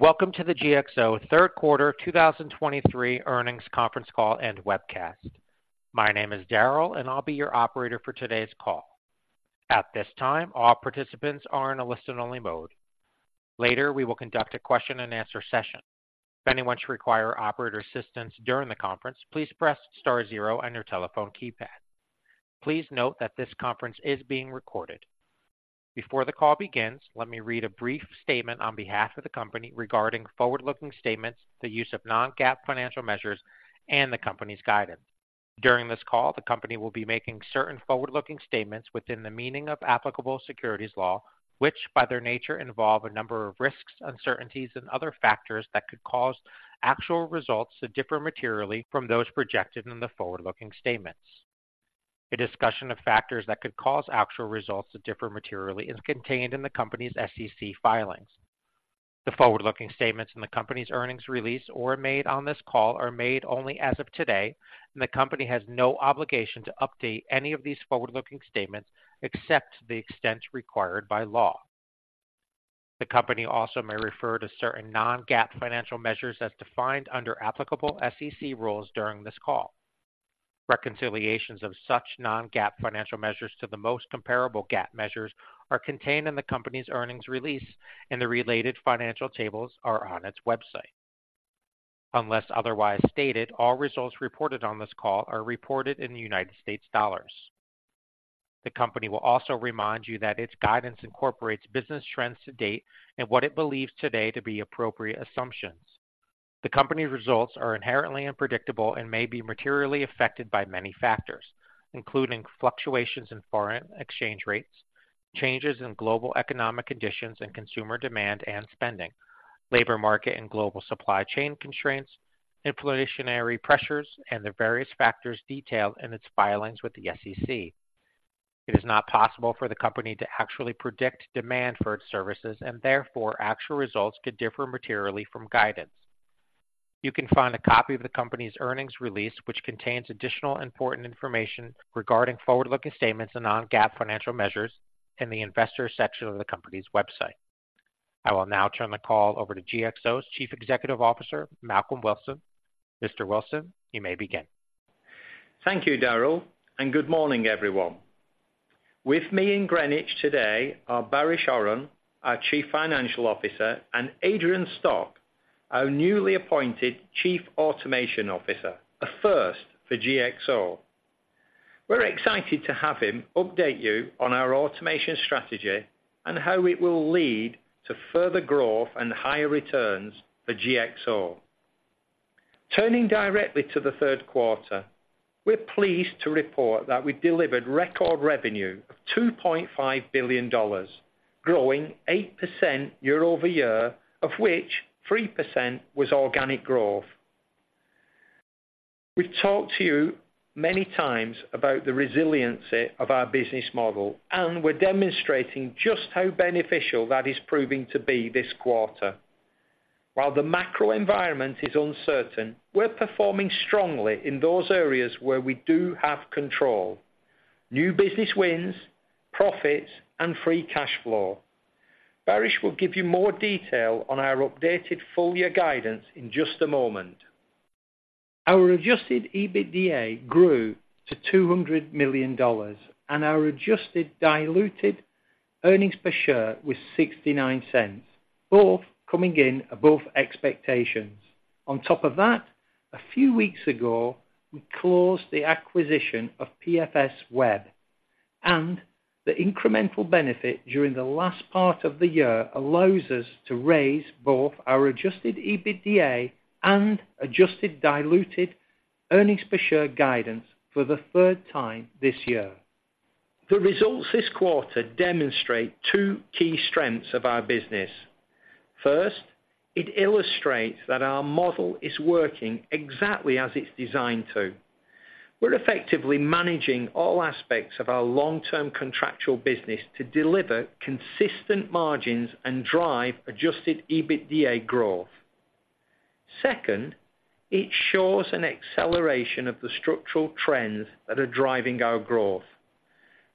Welcome to the GXO third quarter 2023 earnings conference call and webcast. My name is Daryl, and I'll be your operator for today's call. At this time, all participants are in a listen-only mode. Later, we will conduct a question-and-answer session. If anyone should require operator assistance during the conference, please press star zero on your telephone keypad. Please note that this conference is being recorded. Before the call begins, let me read a brief statement on behalf of the company regarding forward-looking statements, the use of non-GAAP financial measures, and the company's guidance. During this call, the company will be making certain forward-looking statements within the meaning of applicable securities law, which, by their nature, involve a number of risks, uncertainties, and other factors that could cause actual results to differ materially from those projected in the forward-looking statements. A discussion of factors that could cause actual results to differ materially is contained in the company's SEC filings. The forward-looking statements in the company's earnings release or made on this call are made only as of today, and the company has no obligation to update any of these forward-looking statements, except to the extent required by law. The company also may refer to certain non-GAAP financial measures as defined under applicable SEC rules during this call. Reconciliations of such non-GAAP financial measures to the most comparable GAAP measures are contained in the company's earnings release, and the related financial tables are on its website. Unless otherwise stated, all results reported on this call are reported in United States dollars. The company will also remind you that its guidance incorporates business trends to date and what it believes today to be appropriate assumptions. The company's results are inherently unpredictable and may be materially affected by many factors, including fluctuations in foreign exchange rates, changes in global economic conditions and consumer demand and spending, labor market and global supply chain constraints, inflationary pressures, and the various factors detailed in its filings with the SEC. It is not possible for the company to actually predict demand for its services, and therefore, actual results could differ materially from guidance. You can find a copy of the company's earnings release, which contains additional important information regarding forward-looking statements and non-GAAP financial measures in the investor section of the company's website. I will now turn the call over to GXO's Chief Executive Officer, Malcolm Wilson. Mr. Wilson, you may begin. Thank you, Daryl, and good morning, everyone. With me in Greenwich today are Baris Oran, our Chief Financial Officer, and Adrian Stoch, our newly appointed Chief Automation Officer, a first for GXO. We're excited to have him update you on our automation strategy and how it will lead to further growth and higher returns for GXO. Turning directly to the third quarter, we're pleased to report that we delivered record revenue of $2.5 billion, growing 8% year-over-year, of which 3% was organic growth. We've talked to you many times about the resiliency of our business model, and we're demonstrating just how beneficial that is proving to be this quarter. While the macro environment is uncertain, we're performing strongly in those areas where we do have control: new business wins, profits, and free cash flow. Baris will give you more detail on our updated full-year guidance in just a moment. Our Adjusted EBITDA grew to $200 million, and our Adjusted Diluted Earnings Per Share was $0.69, both coming in above expectations. On top of that, a few weeks ago, we closed the acquisition of PFSweb, and the incremental benefit during the last part of the year allows us to raise both our Adjusted EBITDA and Adjusted Diluted Earnings Per Share guidance for the third time this year. The results this quarter demonstrate two key strengths of our business. First, it illustrates that our model is working exactly as it's designed to. We're effectively managing all aspects of our long-term contractual business to deliver consistent margins and drive Adjusted EBITDA growth. Second, it shows an acceleration of the structural trends that are driving our growth.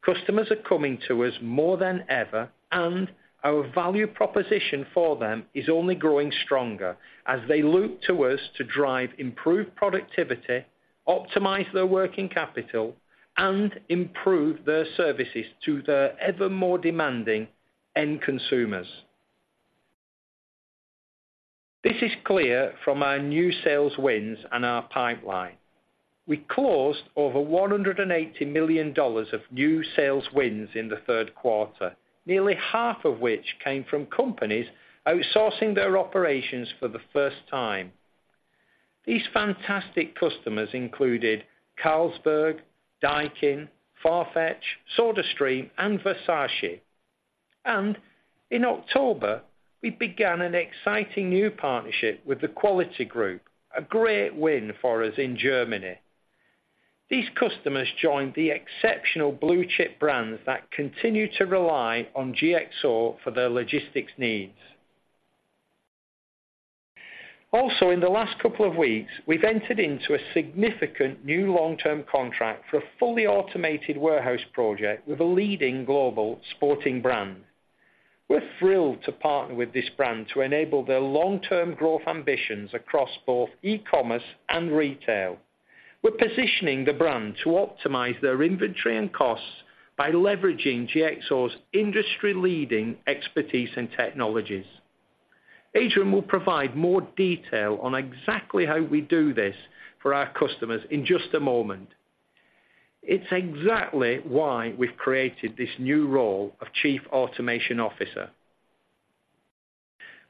Customers are coming to us more than ever, and our value proposition for them is only growing stronger as they look to us to drive improved productivity, optimize their working capital, and improve their services to the ever more demanding end consumers. This is clear from our new sales wins and our pipeline. We closed over $180 million of new sales wins in the third quarter, nearly half of which came from companies outsourcing their operations for the first time. These fantastic customers included Carlsberg, Daikin, FARFETCH, SodaStream, and Versace. And in October, we began an exciting new partnership with the Quality Group, a great win for us in Germany. These customers joined the exceptional blue-chip brands that continue to rely on GXO for their logistics needs. Also, in the last couple of weeks, we've entered into a significant new long-term contract for a fully automated warehouse project with a leading global sporting brand. We're thrilled to partner with this brand to enable their long-term growth ambitions across both e-commerce and retail. We're positioning the brand to optimize their inventory and costs by leveraging GXO's industry-leading expertise and technologies. Adrian will provide more detail on exactly how we do this for our customers in just a moment. It's exactly why we've created this new role of Chief Automation Officer.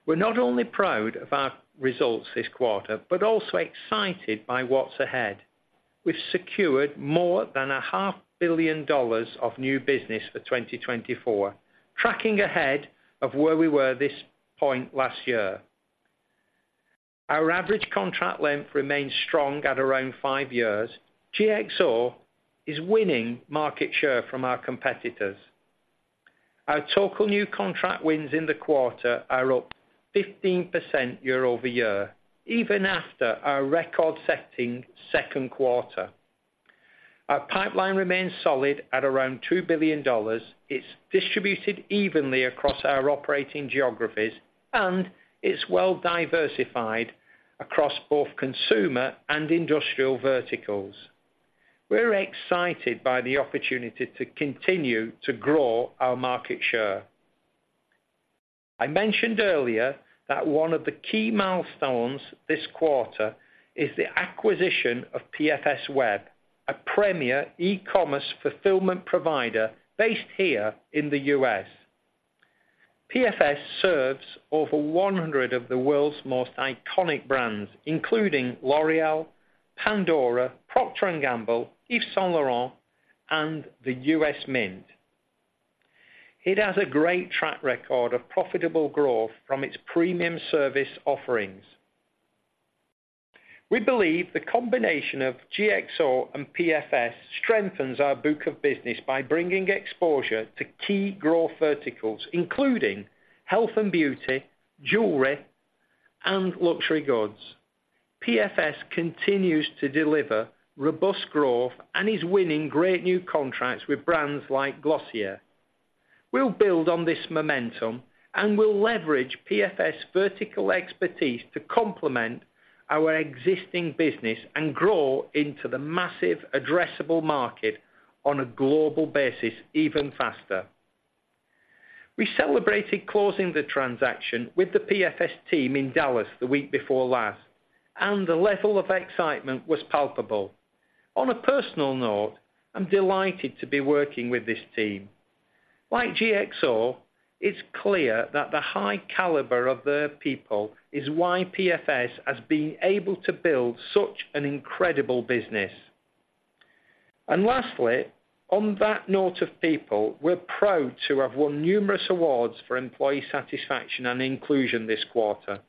We're not only proud of our results this quarter, but also excited by what's ahead. We've secured more than $500 million of new business for 2024, tracking ahead of where we were this point last year. Our average contract length remains strong at around five years. GXO is winning market share from our competitors. Our total new contract wins in the quarter are up 15% year-over-year, even after our record-setting second quarter. Our pipeline remains solid at around $2 billion. It's distributed evenly across our operating geographies, and it's well diversified across both consumer and industrial verticals. We're excited by the opportunity to continue to grow our market share. I mentioned earlier that one of the key milestones this quarter is the acquisition of PFSweb, a premier e-commerce fulfillment provider based here in the U.S. PFSweb serves over 100 of the world's most iconic brands, including L'Oréal, Pandora, Procter & Gamble, Yves Saint Laurent, and the U.S. Mint. It has a great track record of profitable growth from its premium service offerings. We believe the combination of GXO and PFS strengthens our book of business by bringing exposure to key growth verticals, including health and beauty, jewelry, and luxury goods. PFS continues to deliver robust growth and is winning great new contracts with brands like Glossier. We'll build on this momentum, and we'll leverage PFS vertical expertise to complement our existing business and grow into the massive addressable market on a global basis even faster. We celebrated closing the transaction with the PFS team in Dallas the week before last, and the level of excitement was palpable. On a personal note, I'm delighted to be working with this team. Like GXO, it's clear that the high caliber of their people is why PFS has been able to build such an incredible business. And lastly, on that note of people, we're proud to have won numerous awards for employee satisfaction and inclusion this quarter.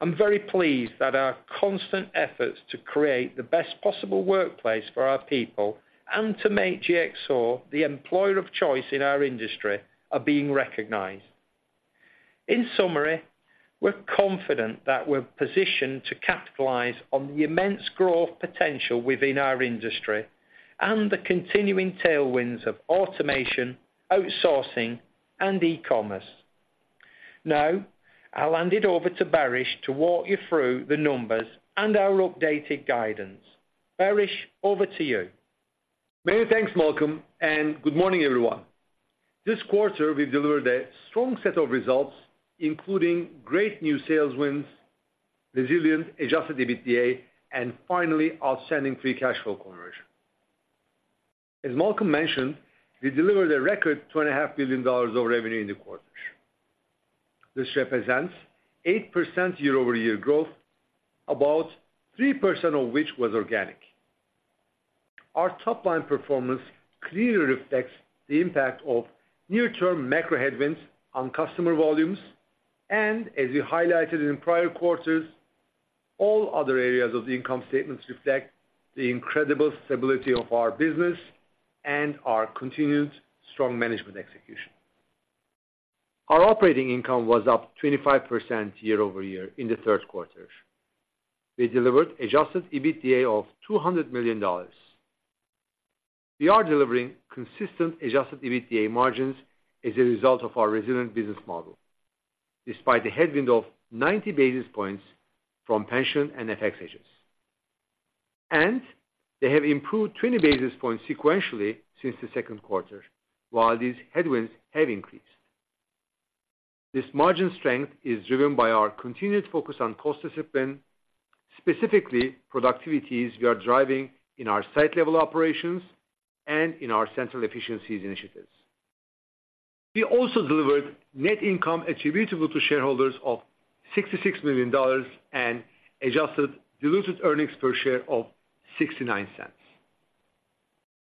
I'm very pleased that our constant efforts to create the best possible workplace for our people and to make GXO the employer of choice in our industry are being recognized. In summary, we're confident that we're positioned to capitalize on the immense growth potential within our industry and the continuing tailwinds of automation, outsourcing, and e-commerce. Now, I'll hand it over to Baris to walk you through the numbers and our updated guidance. Baris, over to you. Many thanks, Malcolm, and good morning, everyone. This quarter, we've delivered a strong set of results, including great new sales wins, resilient Adjusted EBITDA, and finally, outstanding Free Cash Flow Conversion. As Malcolm mentioned, we delivered a record $2.5 billion of revenue in the quarter. This represents 8% year-over-year growth, about 3% of which was organic. Our top-line performance clearly reflects the impact of near-term macro headwinds on customer volumes, and as we highlighted in prior quarters, all other areas of the income statements reflect the incredible stability of our business and our continued strong management execution. Our operating income was up 25% year-over-year in the third quarter. We delivered Adjusted EBITDA of $200 million. We are delivering consistent adjusted EBITDA margins as a result of our resilient business model, despite the headwind of 90 basis points from pension and FX hedges. They have improved 20 basis points sequentially since the second quarter, while these headwinds have increased. This margin strength is driven by our continued focus on cost discipline, specifically productivities we are driving in our site-level operations and in our central efficiencies initiatives. We also delivered net income attributable to shareholders of $66 million and adjusted diluted earnings per share of $0.69.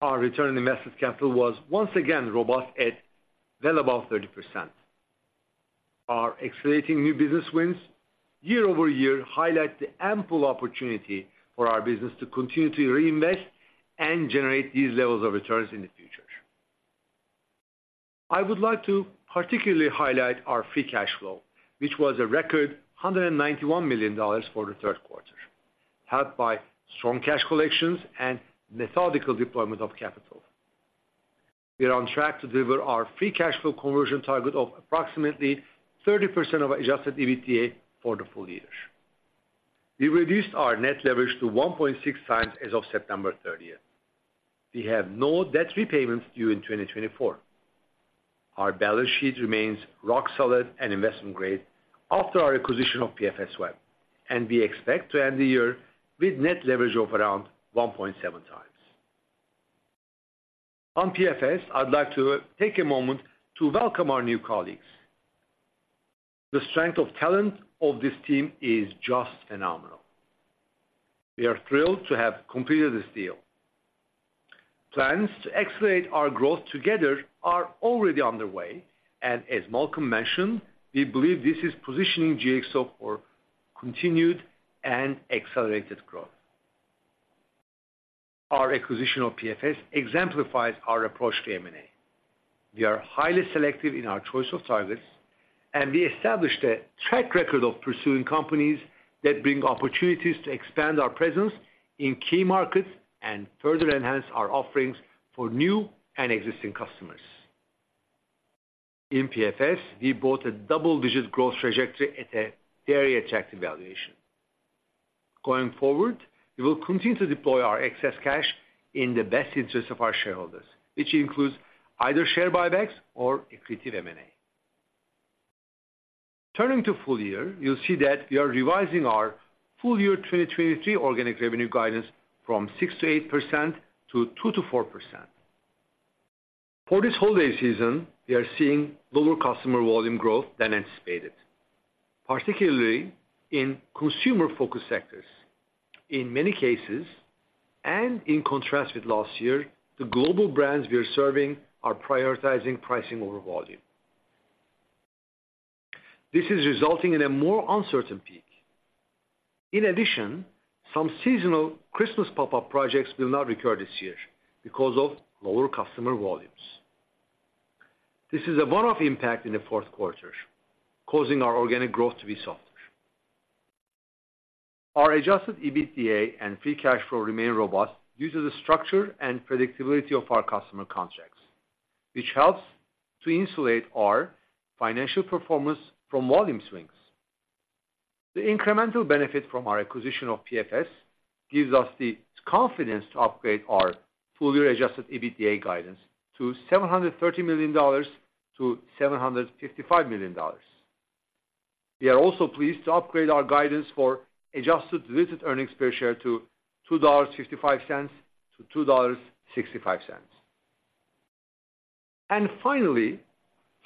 Our return on invested capital was once again robust at well above 30%. Our accelerating new business wins year-over-year highlight the ample opportunity for our business to continue to reinvest and generate these levels of returns in the future. I would like to particularly highlight our free cash flow, which was a record $191 million for the third quarter, helped by strong cash collections and methodical deployment of capital. We are on track to deliver our free cash flow conversion target of approximately 30% of Adjusted EBITDA for the full year. We reduced our net leverage to 1.6x as of September 30th. We have no debt repayments due in 2024. Our balance sheet remains rock solid and investment grade after our acquisition of PFSweb, and we expect to end the year with net leverage of around 1.7x. On PFSweb, I'd like to take a moment to welcome our new colleagues. The strength of talent of this team is just phenomenal. We are thrilled to have completed this deal. Plans to accelerate our growth together are already underway, and as Malcolm mentioned, we believe this is positioning GXO for continued and accelerated growth. Our acquisition of PFS exemplifies our approach to M&A. We are highly selective in our choice of targets, and we established a track record of pursuing companies that bring opportunities to expand our presence in key markets and further enhance our offerings for new and existing customers. In PFS, we bought a double-digit growth trajectory at a very attractive valuation. Going forward, we will continue to deploy our excess cash in the best interest of our shareholders, which includes either share buybacks or accretive M&A. Turning to full year, you'll see that we are revising our full year 2023 organic revenue guidance from 6%-8% to 2%-4%. For this holiday season, we are seeing lower customer volume growth than anticipated, particularly in consumer-focused sectors. In many cases, and in contrast with last year, the global brands we are serving are prioritizing pricing over volume. This is resulting in a more uncertain peak. In addition, some seasonal Christmas pop-up projects will not recur this year because of lower customer volumes. This is a one-off impact in the fourth quarter, causing our organic growth to be softer. Our adjusted EBITDA and free cash flow remain robust due to the structure and predictability of our customer contracts, which helps to insulate our financial performance from volume swings. The incremental benefit from our acquisition of PFS gives us the confidence to upgrade our full-year adjusted EBITDA guidance to $730 million-$755 million. We are also pleased to upgrade our guidance for adjusted diluted earnings per share to $2.55-$2.65. Finally,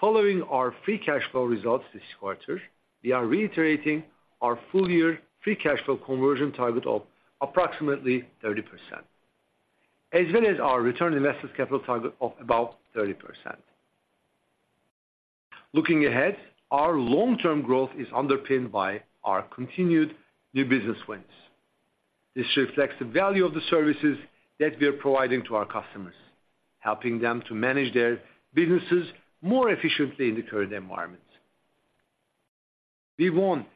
following our free cash flow results this quarter, we are reiterating our full-year free cash flow conversion target of approximately 30%, as well as our return on invested capital target of about 30%. Looking ahead, our long-term growth is underpinned by our continued new business wins. This reflects the value of the services that we are providing to our customers, helping them to manage their businesses more efficiently in the current environment. We won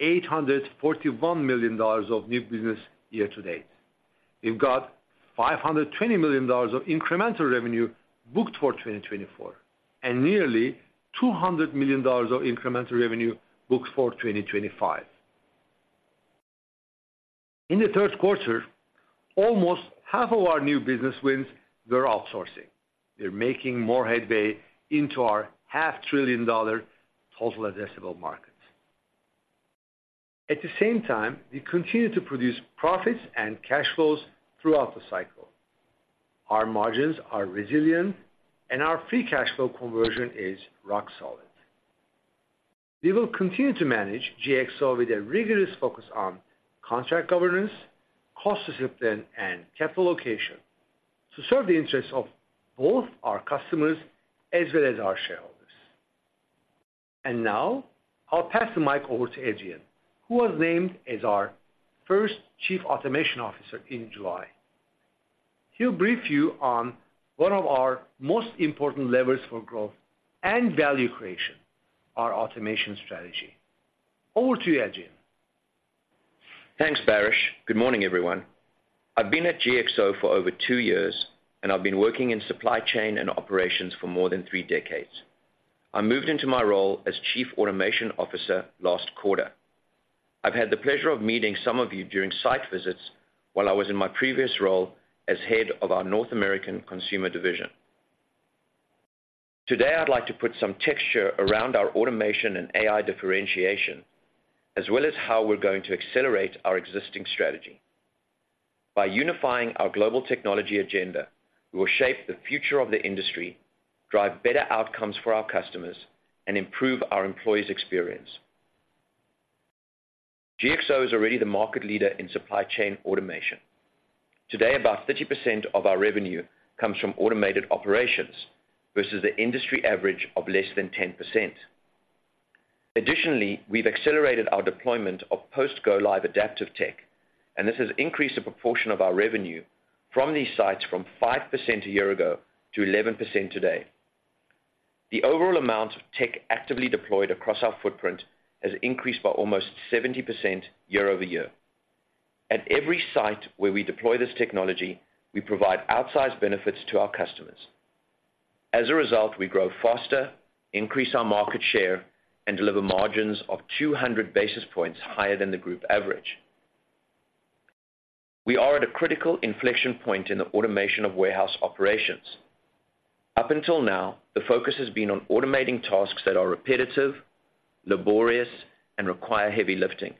$841 million of new business year to date. We've got $520 million of incremental revenue booked for 2024, and nearly $200 million of incremental revenue booked for 2025. In the third quarter, almost half of our new business wins were outsourcing. They're making more headway into our $500 billion total addressable market. At the same time, we continue to produce profits and cash flows throughout the cycle. Our margins are resilient, and our free cash flow conversion is rock solid. We will continue to manage GXO with a rigorous focus on contract governance, cost discipline, and capital allocation to serve the interests of both our customers as well as our shareholders. And now, I'll pass the mic over to Adrian, who was named as our first Chief Automation Officer in July. He'll brief you on one of our most important levers for growth and value creation, our automation strategy. Over to you, Adrian. Thanks, Baris. Good morning, everyone. I've been at GXO for over two years, and I've been working in supply chain and operations for more than three decades. I moved into my role as Chief Automation Officer last quarter. I've had the pleasure of meeting some of you during site visits while I was in my previous role as Head of our North American Consumer Division. Today, I'd like to put some texture around our automation and AI differentiation, as well as how we're going to accelerate our existing strategy. By unifying our global technology agenda, we will shape the future of the industry, drive better outcomes for our customers, and improve our employees' experience. GXO is already the market leader in supply chain automation. Today, about 30% of our revenue comes from automated operations versus the industry average of less than 10%. Additionally, we've accelerated our deployment of post-go-live Adaptive Tech, and this has increased the proportion of our revenue from these sites from 5% a year ago to 11% today. The overall amount of tech actively deployed across our footprint has increased by almost 70% year-over-year. At every site where we deploy this technology, we provide outsized benefits to our customers. As a result, we grow faster, increase our market share, and deliver margins of 200 basis points higher than the group average. We are at a critical inflection point in the automation of warehouse operations. Up until now, the focus has been on automating tasks that are repetitive, laborious, and require heavy lifting.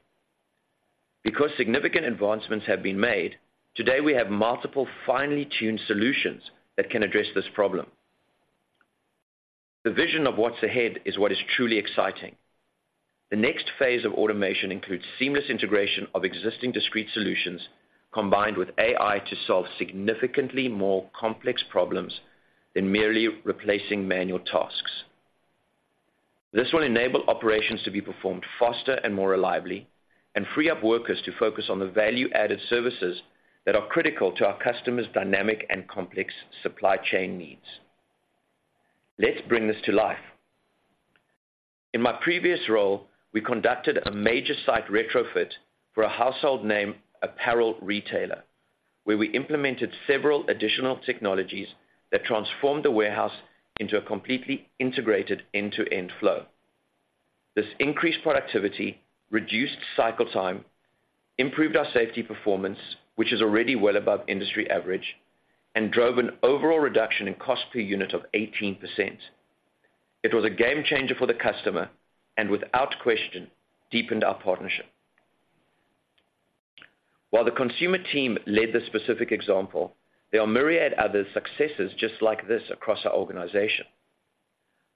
Because significant advancements have been made, today, we have multiple finely tuned solutions that can address this problem. The vision of what's ahead is what is truly exciting. The next phase of automation includes seamless integration of existing discrete solutions, combined with AI, to solve significantly more complex problems than merely replacing manual tasks. This will enable operations to be performed faster and more reliably, and free up workers to focus on the value-added services that are critical to our customers' dynamic and complex supply Chain needs. Let's bring this to life. In my previous role, we conducted a major site retrofit for a household name, apparel retailer, where we implemented several additional technologies that transformed the warehouse into a completely integrated end-to-end flow. This increased productivity, reduced cycle time, improved our safety performance, which is already well above industry average, and drove an overall reduction in cost per unit of 18%. It was a game changer for the customer and without question, deepened our partnership. While the consumer team led the specific example, there are myriad other successes just like this across our organization.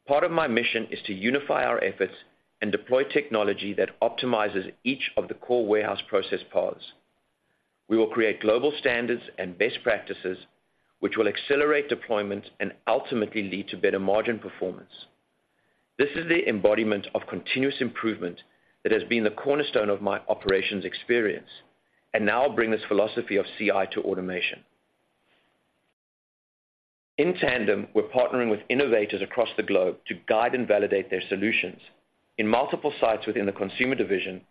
Part of my mission is to unify our efforts and deploy technology that optimizes each of the core warehouse process parts. We will create global standards and best practices, which will accelerate deployment and ultimately lead to better margin performance. This is the embodiment of continuous improvement that has been the cornerstone of my operations experience, and now I'll bring this philosophy of CI to automation. In tandem, we're partnering with innovators across the globe to guide and validate their solutions. In multiple sites within the consumer division,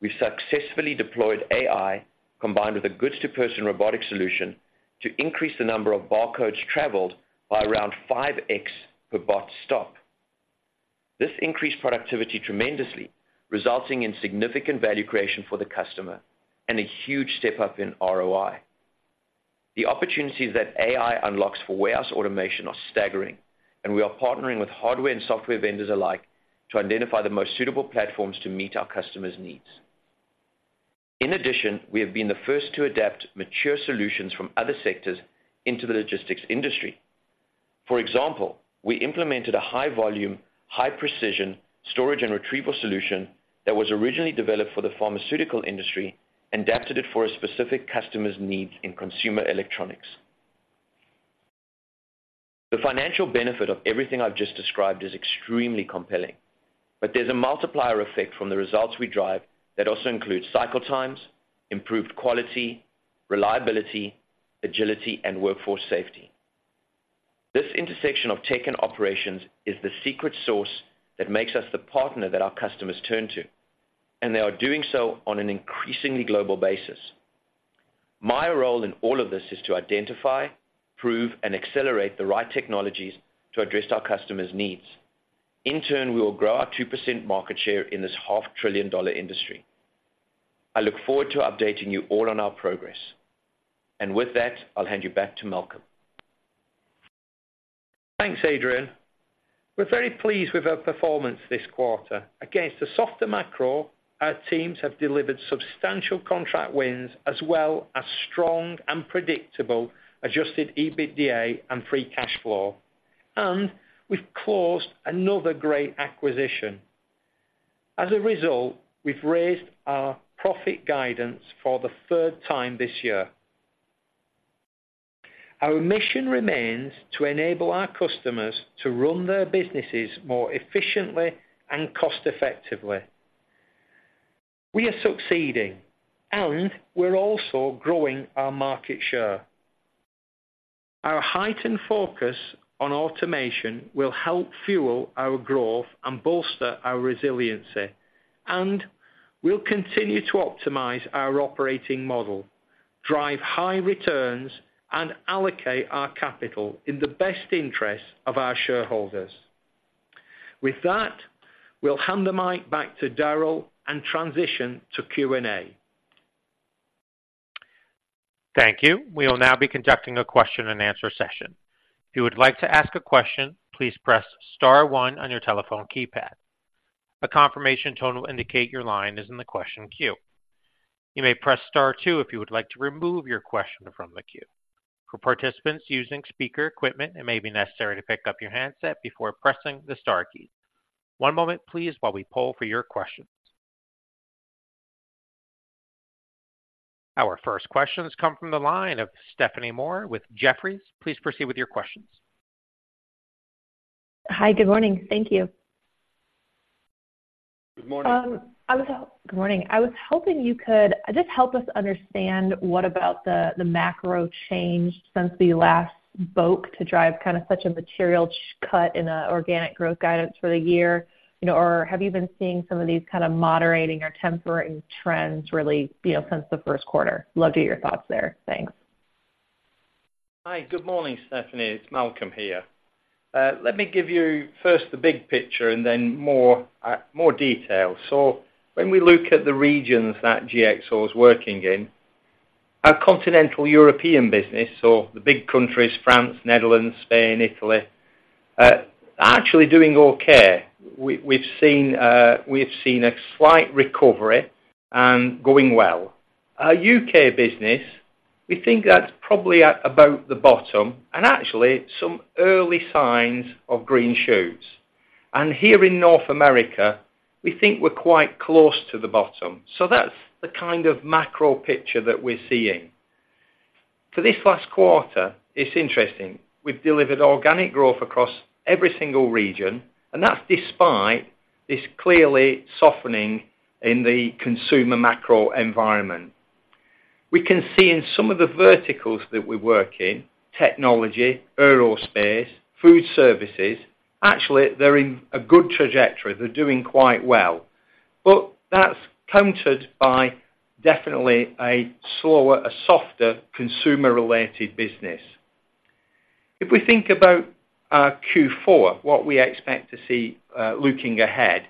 we've successfully deployed AI, combined with a goods-to-person robotic solution, to increase the number of barcodes traveled by around 5x per bot stop. This increased productivity tremendously, resulting in significant value creation for the customer and a huge step up in ROI. The opportunities that AI unlocks for warehouse automation are staggering, and we are partnering with hardware and software vendors alike to identify the most suitable platforms to meet our customers' needs. In addition, we have been the first to adapt mature solutions from other sectors into the logistics industry. For example, we implemented a high volume, high precision storage and retrieval solution that was originally developed for the pharmaceutical industry and adapted it for a specific customer's needs in consumer electronics. The financial benefit of everything I've just described is extremely compelling, but there's a multiplier effect from the results we drive that also includes cycle times, improved quality, reliability, agility, and workforce safety. This intersection of tech and operations is the secret sauce that makes us the partner that our customers turn to, and they are doing so on an increasingly global basis. My role in all of this is to identify, prove, and accelerate the right technologies to address our customers' needs. In turn, we will grow our 2% market share in this $500 billion industry. I look forward to updating you all on our progress. With that, I'll hand you back to Malcolm. Thanks, Adrian. We're very pleased with our performance this quarter. Against the softer macro, our teams have delivered substantial contract wins, as well as strong and predictable Adjusted EBITDA and free cash flow. We've closed another great acquisition. As a result, we've raised our profit guidance for the third time this year. Our mission remains to enable our customers to run their businesses more efficiently and cost-effectively. We are succeeding, and we're also growing our market share. Our heightened focus on automation will help fuel our growth and bolster our resiliency, and we'll continue to optimize our operating model, drive high returns, and allocate our capital in the best interest of our shareholders. With that, we'll hand the mic back to Daryl and transition to Q&A. Thank you. We will now be conducting a question and answer session. If you would like to ask a question, please press star one on your telephone keypad. A confirmation tone will indicate your line is in the question queue. You may press star two if you would like to remove your question from the queue. For participants using speaker equipment, it may be necessary to pick up your handset before pressing the star key. One moment please, while we poll for your questions. Our first questions come from the line of Stephanie Moore with Jefferies. Please proceed with your questions. Hi, good morning. Thank you. Good morning. Good morning. I was hoping you could just help us understand what about the, the macro change since the last boat to drive kind of such a material cut in the organic growth guidance for the year, you know, or have you been seeing some of these kind of moderating or tempering trends really, you know, since the first quarter? Love to hear your thoughts there. Thanks. Hi. Good morning, Stephanie. It's Malcolm here. Let me give you first the big picture and then more detail. So when we look at the regions that GXO is working in, our continental European business, so the big countries, France, Netherlands, Spain, Italy, are actually doing okay. We've seen a slight recovery and going well. Our UK business, we think that's probably at about the bottom and actually some early signs of green shoots. And here in North America, we think we're quite close to the bottom. So that's the kind of macro picture that we're seeing. For this last quarter, it's interesting. We've delivered organic growth across every single region, and that's despite this clearly softening in the consumer macro environment. We can see in some of the verticals that we work in, technology, aerospace, food services, actually, they're in a good trajectory. They're doing quite well, but that's countered by definitely a slower, a softer consumer-related business. If we think about Q4, what we expect to see looking ahead,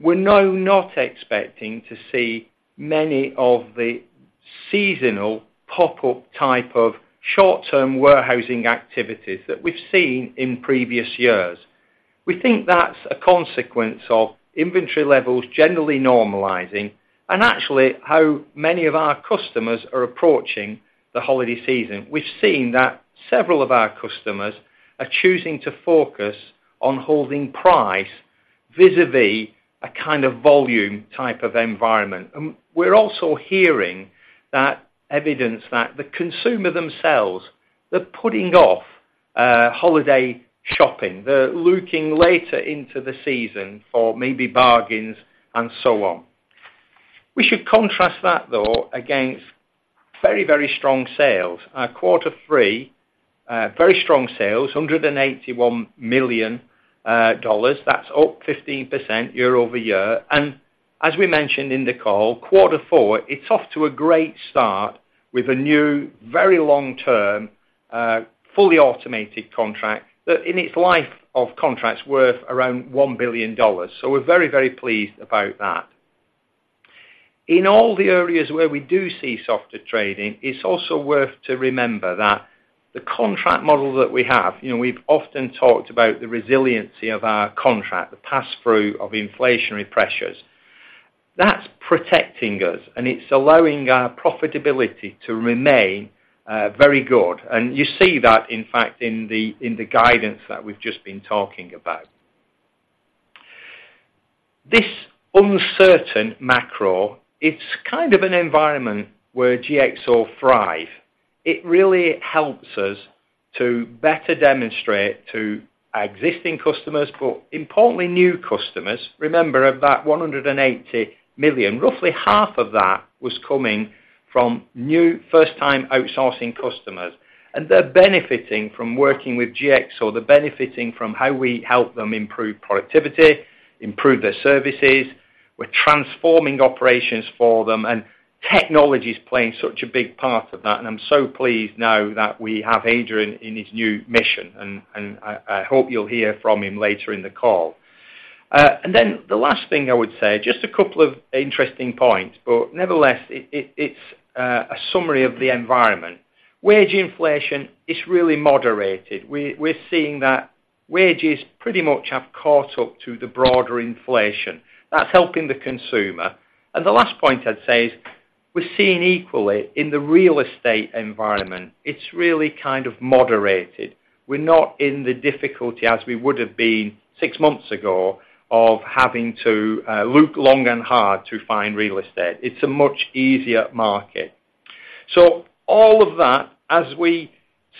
we're now not expecting to see many of the seasonal pop-up type of short-term warehousing activities that we've seen in previous years. We think that's a consequence of inventory levels generally normalizing and actually how many of our customers are approaching the holiday season. We've seen that several of our customers are choosing to focus on holding price, vis-a-vis a kind of volume type of environment. And we're also hearing that evidence that the consumer themselves, they're putting off holiday shopping. They're looking later into the season for maybe bargains and so on. We should contrast that, though, against very, very strong sales. Quarter three, very strong sales, $181 million. That's up 15% year-over-year. And as we mentioned in the call, quarter four, it's off to a great start with a new, very long-term, fully automated contract that in its life of contracts worth around $1 billion. So we're very, very pleased about that. In all the areas where we do see softer trading, it's also worth to remember that the contract model that we have, you know, we've often talked about the resiliency of our contract, the pass-through of inflationary pressures. That's protecting us, and it's allowing our profitability to remain, very good. And you see that, in fact, in the, in the guidance that we've just been talking about. This uncertain macro, it's kind of an environment where GXO thrive. It really helps us to better demonstrate to our existing customers, but importantly, new customers. Remember, of that $180 million, roughly half of that was coming from new first-time outsourcing customers, and they're benefiting from working with GXO. They're benefiting from how we help them improve productivity, improve their services. We're transforming operations for them, and technology is playing such a big part of that, and I'm so pleased now that we have Adrian in his new mission, and I hope you'll hear from him later in the call. And then the last thing I would say, just a couple of interesting points, but nevertheless, it's a summary of the environment. Wage inflation is really moderated. We're seeing that wages pretty much have caught up to the broader inflation. That's helping the consumer. The last point I'd say is, we're seeing equally in the real estate environment, it's really kind of moderated. We're not in the difficulty as we would have been six months ago of having to, look long and hard to find real estate. It's a much easier market. So all of that, as we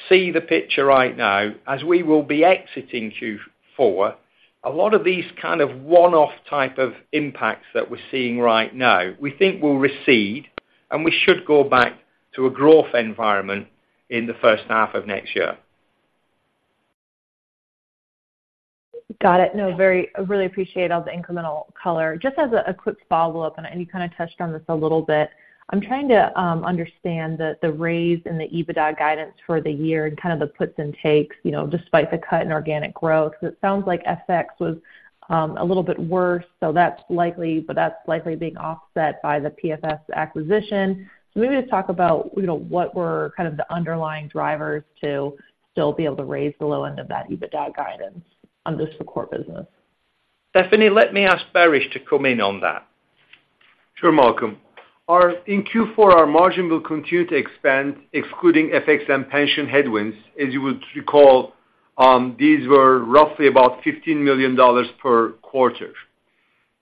see the picture right now, as we will be exiting Q4, a lot of these kind of one-off type of impacts that we're seeing right now, we think will recede, and we should go back to a growth environment in the first half of next year. Got it. No, very—I really appreciate all the incremental color. Just as a quick follow-up, and you kind of touched on this a little bit. I'm trying to understand the raise in the EBITDA guidance for the year and kind of the puts and takes, you know, despite the cut in organic growth. It sounds like FX was a little bit worse, so that's likely—but that's likely being offset by the PFS acquisition. So maybe just talk about, you know, what were kind of the underlying drivers to still be able to raise the low end of that EBITDA guidance on just the core business? Stephanie, let me ask Baris to come in on that. Sure, Malcolm. Our in Q4, our margin will continue to expand, excluding FX and pension headwinds. As you would recall, these were roughly about $15 million per quarter.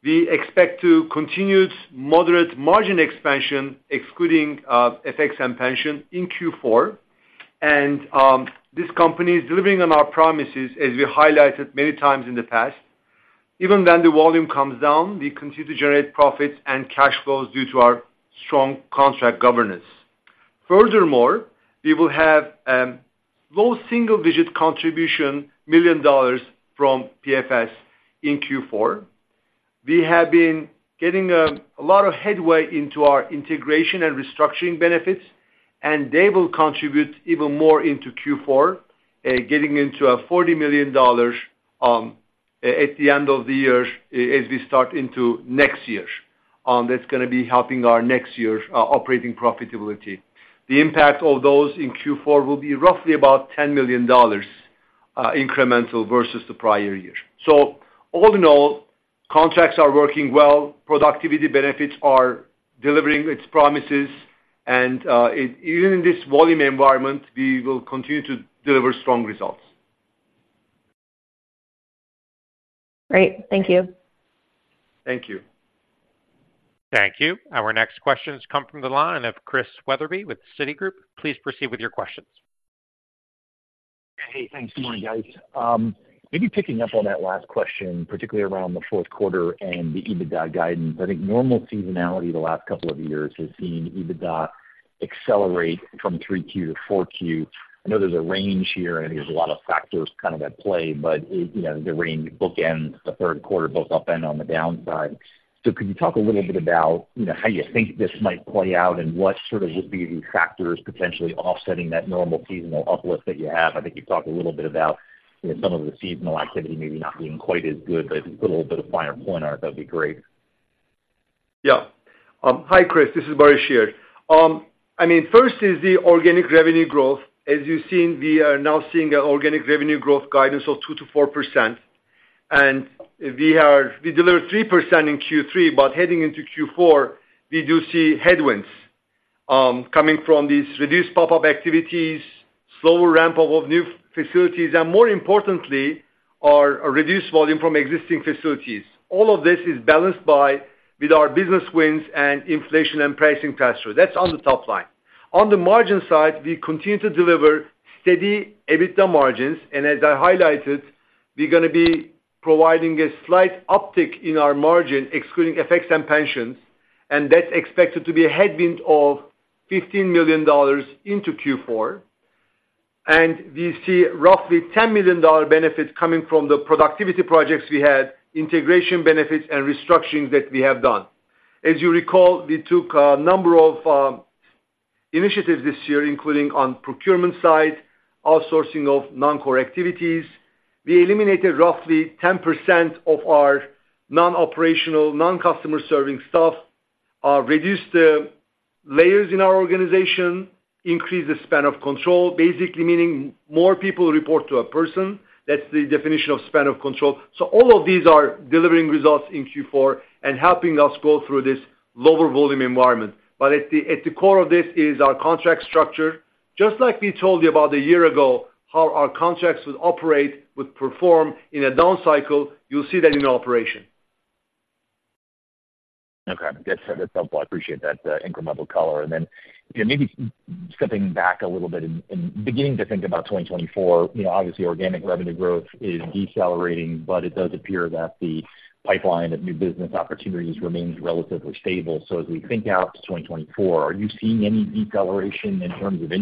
We expect to continued moderate margin expansion, excluding FX and pension in Q4. This company is delivering on our promises, as we highlighted many times in the past. Even when the volume comes down, we continue to generate profits and cash flows due to our strong contract governance. Furthermore, we will have low single-digit million dollars from PFS in Q4. We have been getting a lot of headway into our integration and restructuring benefits, and they will contribute even more into Q4, getting into $40 million at the end of the year, as we start into next year, that's gonna be helping our next year's operating profitability. The impact of those in Q4 will be roughly about $10 million, incremental versus the prior year. So all in all, contracts are working well, productivity benefits are delivering its promises, and, even in this volume environment, we will continue to deliver strong results. Great. Thank you. Thank you. Thank you. Our next questions come from the line of Chris Wetherbee with Citigroup. Please proceed with your questions. Hey, thanks. Good morning, guys. Maybe picking up on that last question, particularly around the fourth quarter and the EBITDA guidance. I think normal seasonality the last couple of years has seen EBITDA accelerate from Q3 to Q4. I know there's a range here, and I think there's a lot of factors kind of at play, but, you know, the range bookends the third quarter, both up and on the downside. So could you talk a little bit about, you know, how you think this might play out, and what sort of will be the factors potentially offsetting that normal seasonal uplift that you have? I think you've talked a little bit about, you know, some of the seasonal activity maybe not being quite as good, but put a little bit of finer point on it, that'd be great. Yeah. Hi, Chris, this is Baris here. I mean, first is the organic revenue growth. As you've seen, we are now seeing an organic revenue growth guidance of 2%-4%, and we delivered 3% in Q3, but heading into Q4, we do see headwinds coming from these reduced pop-up activities, slower ramp-up of new facilities, and more importantly, our reduced volume from existing facilities. All of this is balanced by with our business wins and inflation and pricing pass-through. That's on the top line. On the margin side, we continue to deliver steady EBITDA margins, and as I highlighted, we're gonna be providing a slight uptick in our margin, excluding effects and pensions, and that's expected to be a headwind of $15 million into Q4. We see roughly $10 million benefits coming from the productivity projects we had, integration benefits and restructurings that we have done. As you recall, we took a number of initiatives this year, including on procurement side, outsourcing of non-core activities. We eliminated roughly 10% of our non-operational, non-customer-serving staff, reduced the layers in our organization, increased the span of control, basically meaning more people report to a person. That's the definition of span of control. So all of these are delivering results in Q4 and helping us go through this lower volume environment. But at the core of this is our contract structure. Just like we told you about a year ago, how our contracts would operate, would perform in a down cycle, you'll see that in operation. Okay, that's, that's helpful. I appreciate that, incremental color. And then, you know, maybe stepping back a little bit and beginning to think about 2024, you know, obviously, organic revenue growth is decelerating, but it does appear that the pipeline of new business opportunities remains relatively stable. So as we think out to 2024, are you seeing any deceleration in terms of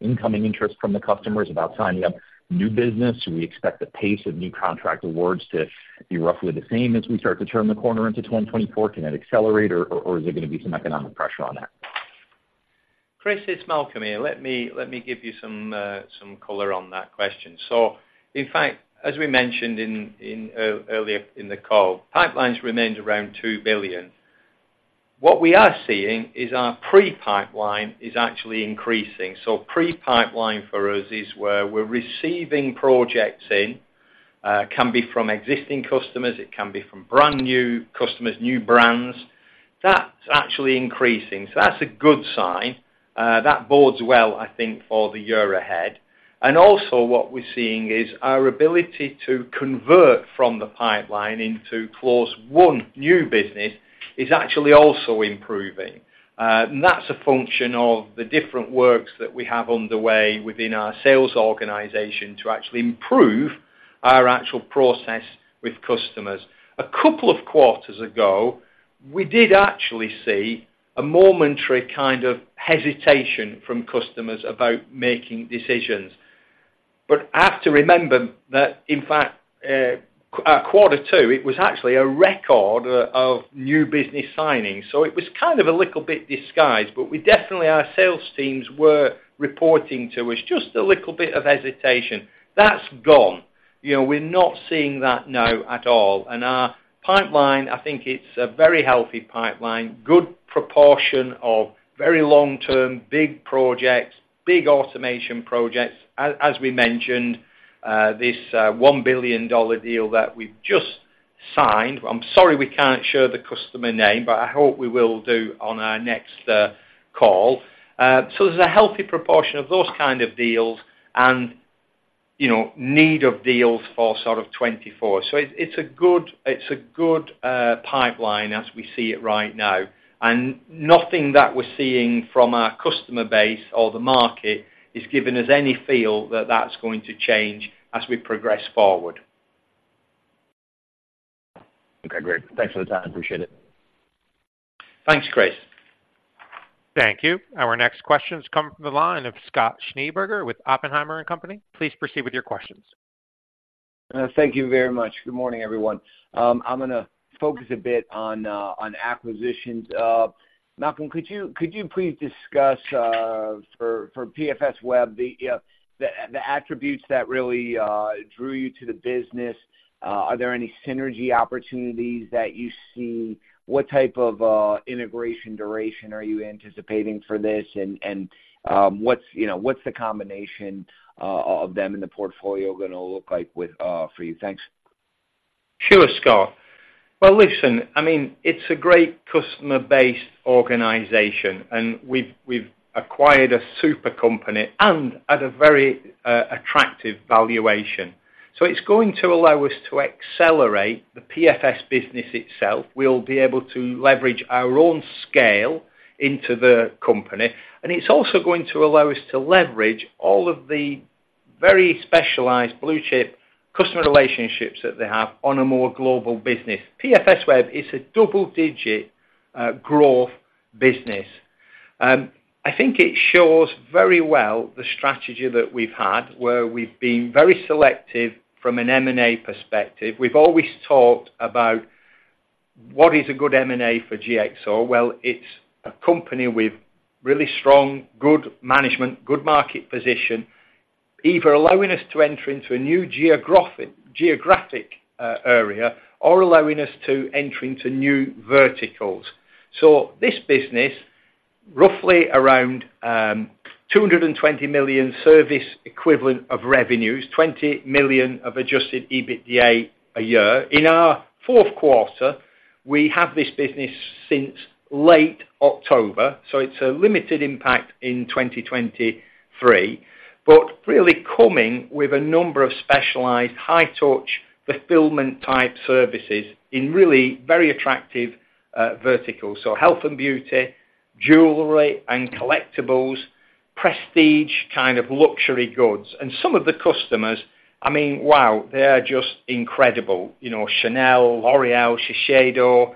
incoming interest from the customers about signing up new business? Do we expect the pace of new contract awards to be roughly the same as we start to turn the corner into 2024? Can that accelerate, or is there gonna be some economic pressure on that? Chris, it's Malcolm here. Let me give you some color on that question. So in fact, as we mentioned earlier in the call, pipeline remains around $2 billion. What we are seeing is our pre-pipeline is actually increasing. So pre-pipeline for us is where we're receiving projects in can be from existing customers, it can be from brand new customers, new brands. That's actually increasing. So that's a good sign. That bodes well, I think, for the year ahead. And also what we're seeing is our ability to convert from the pipeline into close one, new business, is actually also improving. And that's a function of the different works that we have underway within our sales organization to actually improve our actual process with customers. A couple of quarters ago, we did actually see a momentary kind of hesitation from customers about making decisions. But I have to remember that in fact, quarter two, it was actually a record of new business signings, so it was kind of a little bit disguised, but we definitely our sales teams were reporting to us just a little bit of hesitation. That's gone. You know, we're not seeing that now at all. And our pipeline, I think it's a very healthy pipeline, good proportion of very long-term, big projects, big automation projects. As we mentioned, this $1 billion deal that we've just signed. I'm sorry, we can't share the customer name, but I hope we will do on our next call. So there's a healthy proportion of those kind of deals, and you know, need of deals for sort of 2024. So it's a good pipeline as we see it right now, and nothing that we're seeing from our customer base or the market is giving us any feel that that's going to change as we progress forward. Okay, great. Thanks for the time. Appreciate it. Thanks, Chris. Thank you. Our next question comes from the line of Scott Schneeberger with Oppenheimer & Company. Please proceed with your questions. Thank you very much. Good morning, everyone. I'm gonna focus a bit on acquisitions. Malcolm, could you please discuss for PFSweb the attributes that really drew you to the business? Are there any synergy opportunities that you see? What type of integration duration are you anticipating for this? And what's, you know, what's the combination of them in the portfolio gonna look like with for you? Thanks. Sure, Scott. Well, listen, I mean, it's a great customer-based organization, and we've acquired a super company and at a very attractive valuation. So it's going to allow us to accelerate the PFS business itself. We'll be able to leverage our own scale into the company, and it's also going to allow us to leverage all of the very specialized blue chip customer relationships that they have on a more global business. PFSweb is a double-digit growth business. I think it shows very well the strategy that we've had, where we've been very selective from an M&A perspective. We've always talked about what is a good M&A for GXO? Well, it's a company with really strong, good management, good market position, either allowing us to enter into a new geographic area, or allowing us to enter into new verticals. So this business, roughly around, 220 million service equivalent of revenues, $20 million of adjusted EBITDA a year. In our fourth quarter, we have this business since late October, so it's a limited impact in 2023, but really coming with a number of specialized, high-touch, fulfillment-type services in really very attractive verticals. So health and beauty, jewelry and collectibles, prestige, kind of luxury goods. And some of the customers, I mean, wow, they are just incredible. You know, Chanel, L'Oréal, Shiseido,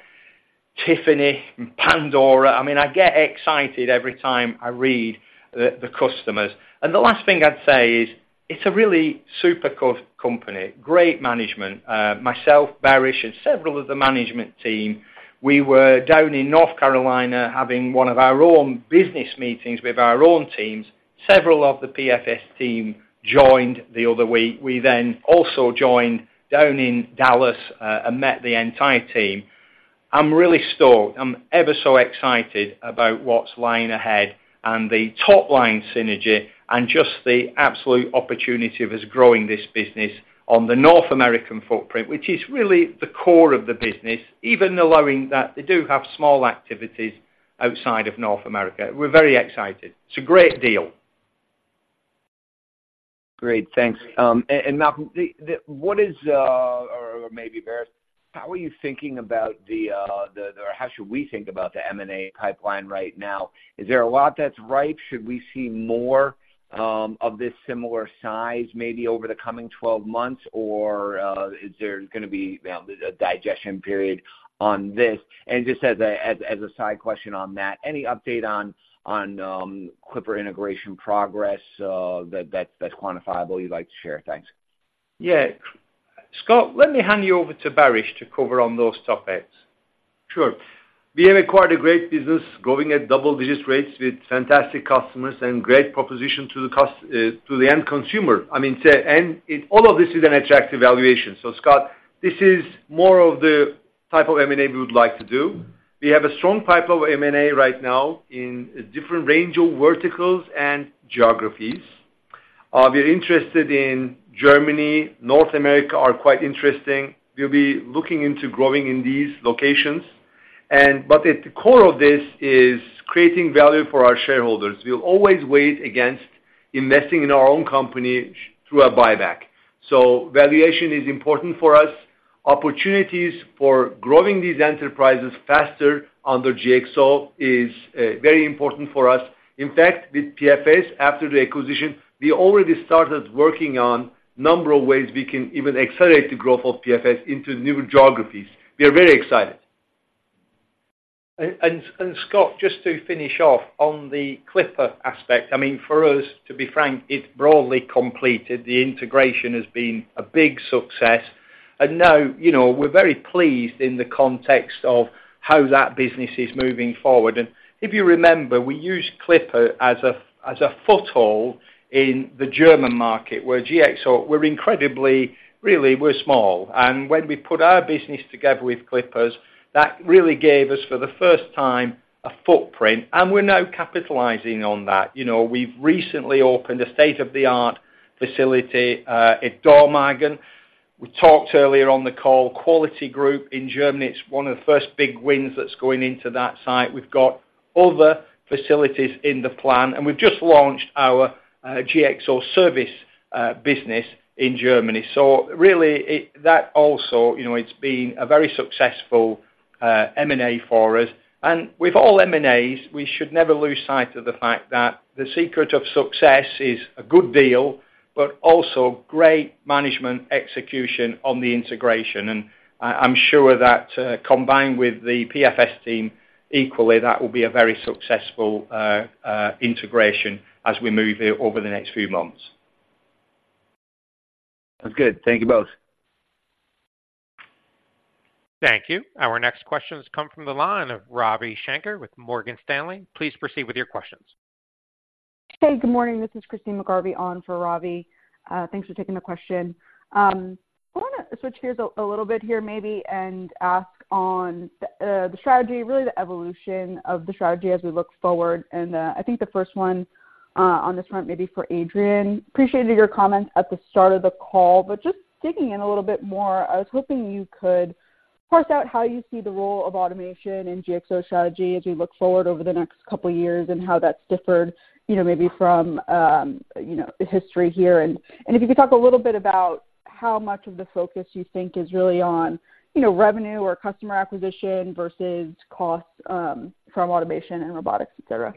Tiffany, and Pandora. I mean, I get excited every time I read the, the customers. And the last thing I'd say is, it's a really super cool company, great management. Myself, Baris, and several of the management team, we were down in North Carolina having one of our own business meetings with our own teams. Several of the PFS team joined the other week. We then also joined down in Dallas, and met the entire team. I'm really stoked. I'm ever so excited about what's lying ahead and the top line synergy and just the absolute opportunity of us growing this business on the North American footprint, which is really the core of the business, even allowing that they do have small activities outside of North America. We're very excited. It's a great deal. Great, thanks. And Malcolm, what is, or maybe Baris, how are you thinking about the, or how should we think about the M&A pipeline right now? Is there a lot that's ripe? Should we see more of this similar size, maybe over the coming 12 months? Or, is there gonna be, you know, a digestion period on this? And just as a side question on that, any update on Clipper integration progress that's quantifiable you'd like to share? Thanks. Yeah. Scott, let me hand you over to Baris to cover on those topics. Sure. We have acquired a great business, growing at double-digit rates with fantastic customers and great proposition to the customer, to the end consumer. I mean, say, and it—all of this is an attractive valuation. So Scott, this is more of the type of M&A we would like to do. We have a strong pipe of M&A right now in a different range of verticals and geographies. We're interested in Germany, North America are quite interesting. We'll be looking into growing in these locations. And but at the core of this is creating value for our shareholders. We'll always weigh it against investing in our own company through a buyback. So valuation is important for us. Opportunities for growing these enterprises faster under GXO is very important for us. In fact, with PFS, after the acquisition, we already started working on number of ways we can even accelerate the growth of PFS into new geographies. We are very excited. Scott, just to finish off on the Clipper aspect, I mean, for us, to be frank, it's broadly completed. The integration has been a big success, and now, you know, we're very pleased in the context of how that business is moving forward. And if you remember, we used Clipper as a, as a foothold in the German market, where GXO, we're incredibly. Really, we're small. And when we put our business together with Clipper's, that really gave us, for the first time, a footprint, and we're now capitalizing on that. You know, we've recently opened a state-of-the-art facility in Dormagen. We talked earlier on the call, Quality Group in Germany, it's one of the first big wins that's going into that site. We've got other facilities in the plan, and we've just launched our GXO service business in Germany. So really, that also, you know, it's been a very successful M&A for us. With all M&As, we should never lose sight of the fact that the secret of success is a good deal, but also great management execution on the integration. And, I'm sure that, combined with the PFS team, equally, that will be a very successful integration as we move it over the next few months. That's good. Thank you, both. Thank you. Our next question has come from the line of Ravi Shanker with Morgan Stanley. Please proceed with your questions. Hey, good morning. This is Christyne McGarvey on for Ravi. Thanks for taking the question. I wanna switch gears a little bit here maybe and ask on the strategy, really the evolution of the strategy as we look forward. I think the first one on this front, maybe for Adrian. Appreciated your comments at the start of the call, but just digging in a little bit more, I was hoping you could parse out how you see the role of automation in GXO strategy as we look forward over the next couple of years, and how that's differed, you know, maybe from you know, history here. If you could talk a little bit about how much of the focus you think is really on you know, revenue or customer acquisition versus costs from automation and robotics, et cetera.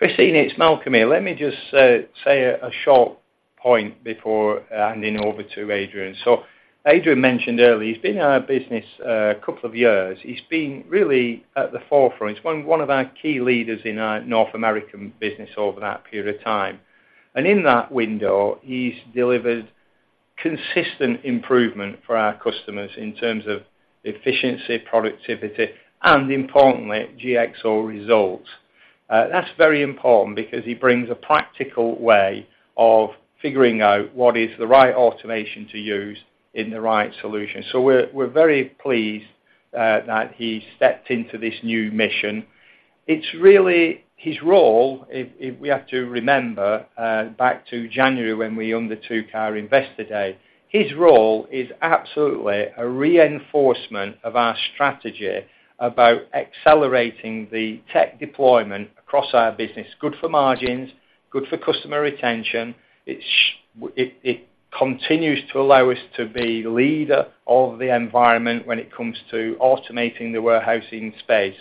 Christyne, it's Malcolm here. Let me just say a short point before handing over to Adrian. So Adrian mentioned earlier, he's been in our business a couple of years. He's been really at the forefront, one of our key leaders in our North American business over that period of time. And in that window, he's delivered consistent improvement for our customers in terms of efficiency, productivity, and importantly, GXO results. That's very important because he brings a practical way of figuring out what is the right automation to use in the right solution. So we're very pleased that he stepped into this new mission. It's really his role, if we have to remember back to January, when we undertook our Investor Day, his role is absolutely a reinforcement of our strategy about accelerating the tech deployment across our business. Good for margins, good for customer retention. It continues to allow us to be leader of the environment when it comes to automating the warehousing space.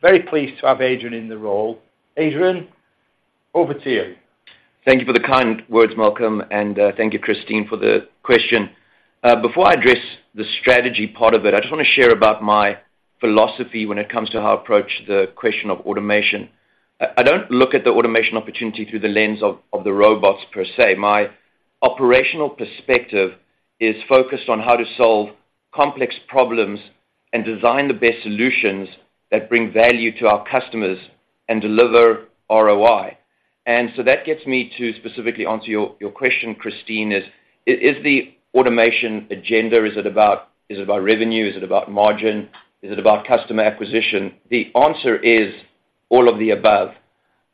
Very pleased to have Adrian in the role. Adrian, over to you. Thank you for the kind words, Malcolm, and thank you, Christyne, for the question. Before I address the strategy part of it, I just wanna share about my philosophy when it comes to how I approach the question of automation. I don't look at the automation opportunity through the lens of the robots per se. My operational perspective is focused on how to solve complex problems and design the best solutions that bring value to our customers and deliver ROI. And so that gets me to specifically answer your question, Christyne: is the automation agenda about revenue? Is it about margin? Is it about customer acquisition? The answer is all of the above.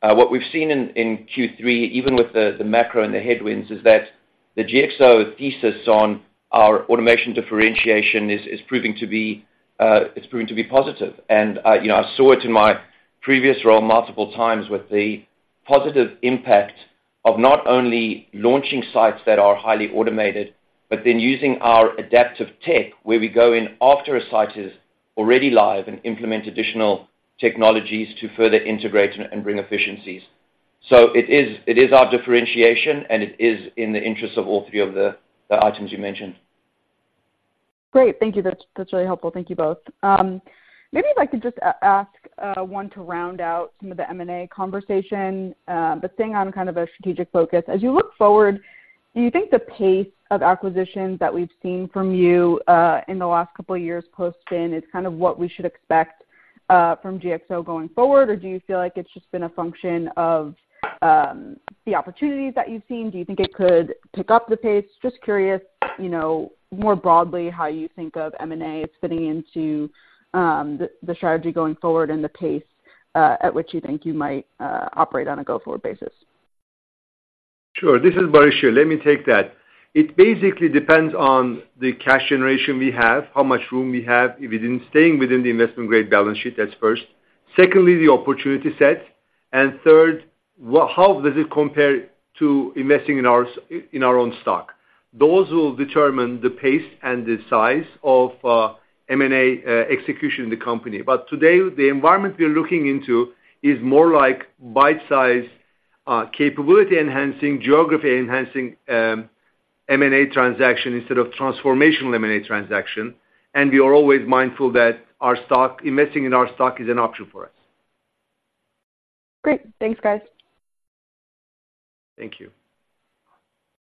What we've seen in Q3, even with the macro and the headwinds, is that the GXO thesis on our automation differentiation is proving to be positive. And you know, I saw it in my previous role multiple times with the positive impact of not only launching sites that are highly automated, but then using our Adaptive Tech, where we go in after a site is already live and implement additional technologies to further integrate and bring efficiencies. So it is our differentiation, and it is in the interest of all three of the items you mentioned. Great, thank you. That's, that's really helpful. Thank you both. Maybe if I could just ask one to round out some of the M&A conversation, but staying on kind of a strategic focus. As you look forward, do you think the pace of acquisitions that we've seen from you in the last couple of years post-spin is kind of what we should expect from GXO going forward? Or do you feel like it's just been a function of the opportunities that you've seen? Do you think it could pick up the pace? Just curious, you know, more broadly, how you think of M&A fitting into the strategy going forward and the pace at which you think you might operate on a go-forward basis. Sure. This is Baris. Sure, let me take that. It basically depends on the cash generation we have, how much room we have, if it is staying within the investment-grade balance sheet, that's first. Secondly, the opportunity set, and third, how does it compare to investing in our own stock? Those will determine the pace and the size of M&A execution in the company. But today, the environment we're looking into is more like bite-sized capability-enhancing, geography-enhancing M&A transaction instead of transformational M&A transaction. And we are always mindful that investing in our stock is an option for us. Great. Thanks, guys. Thank you.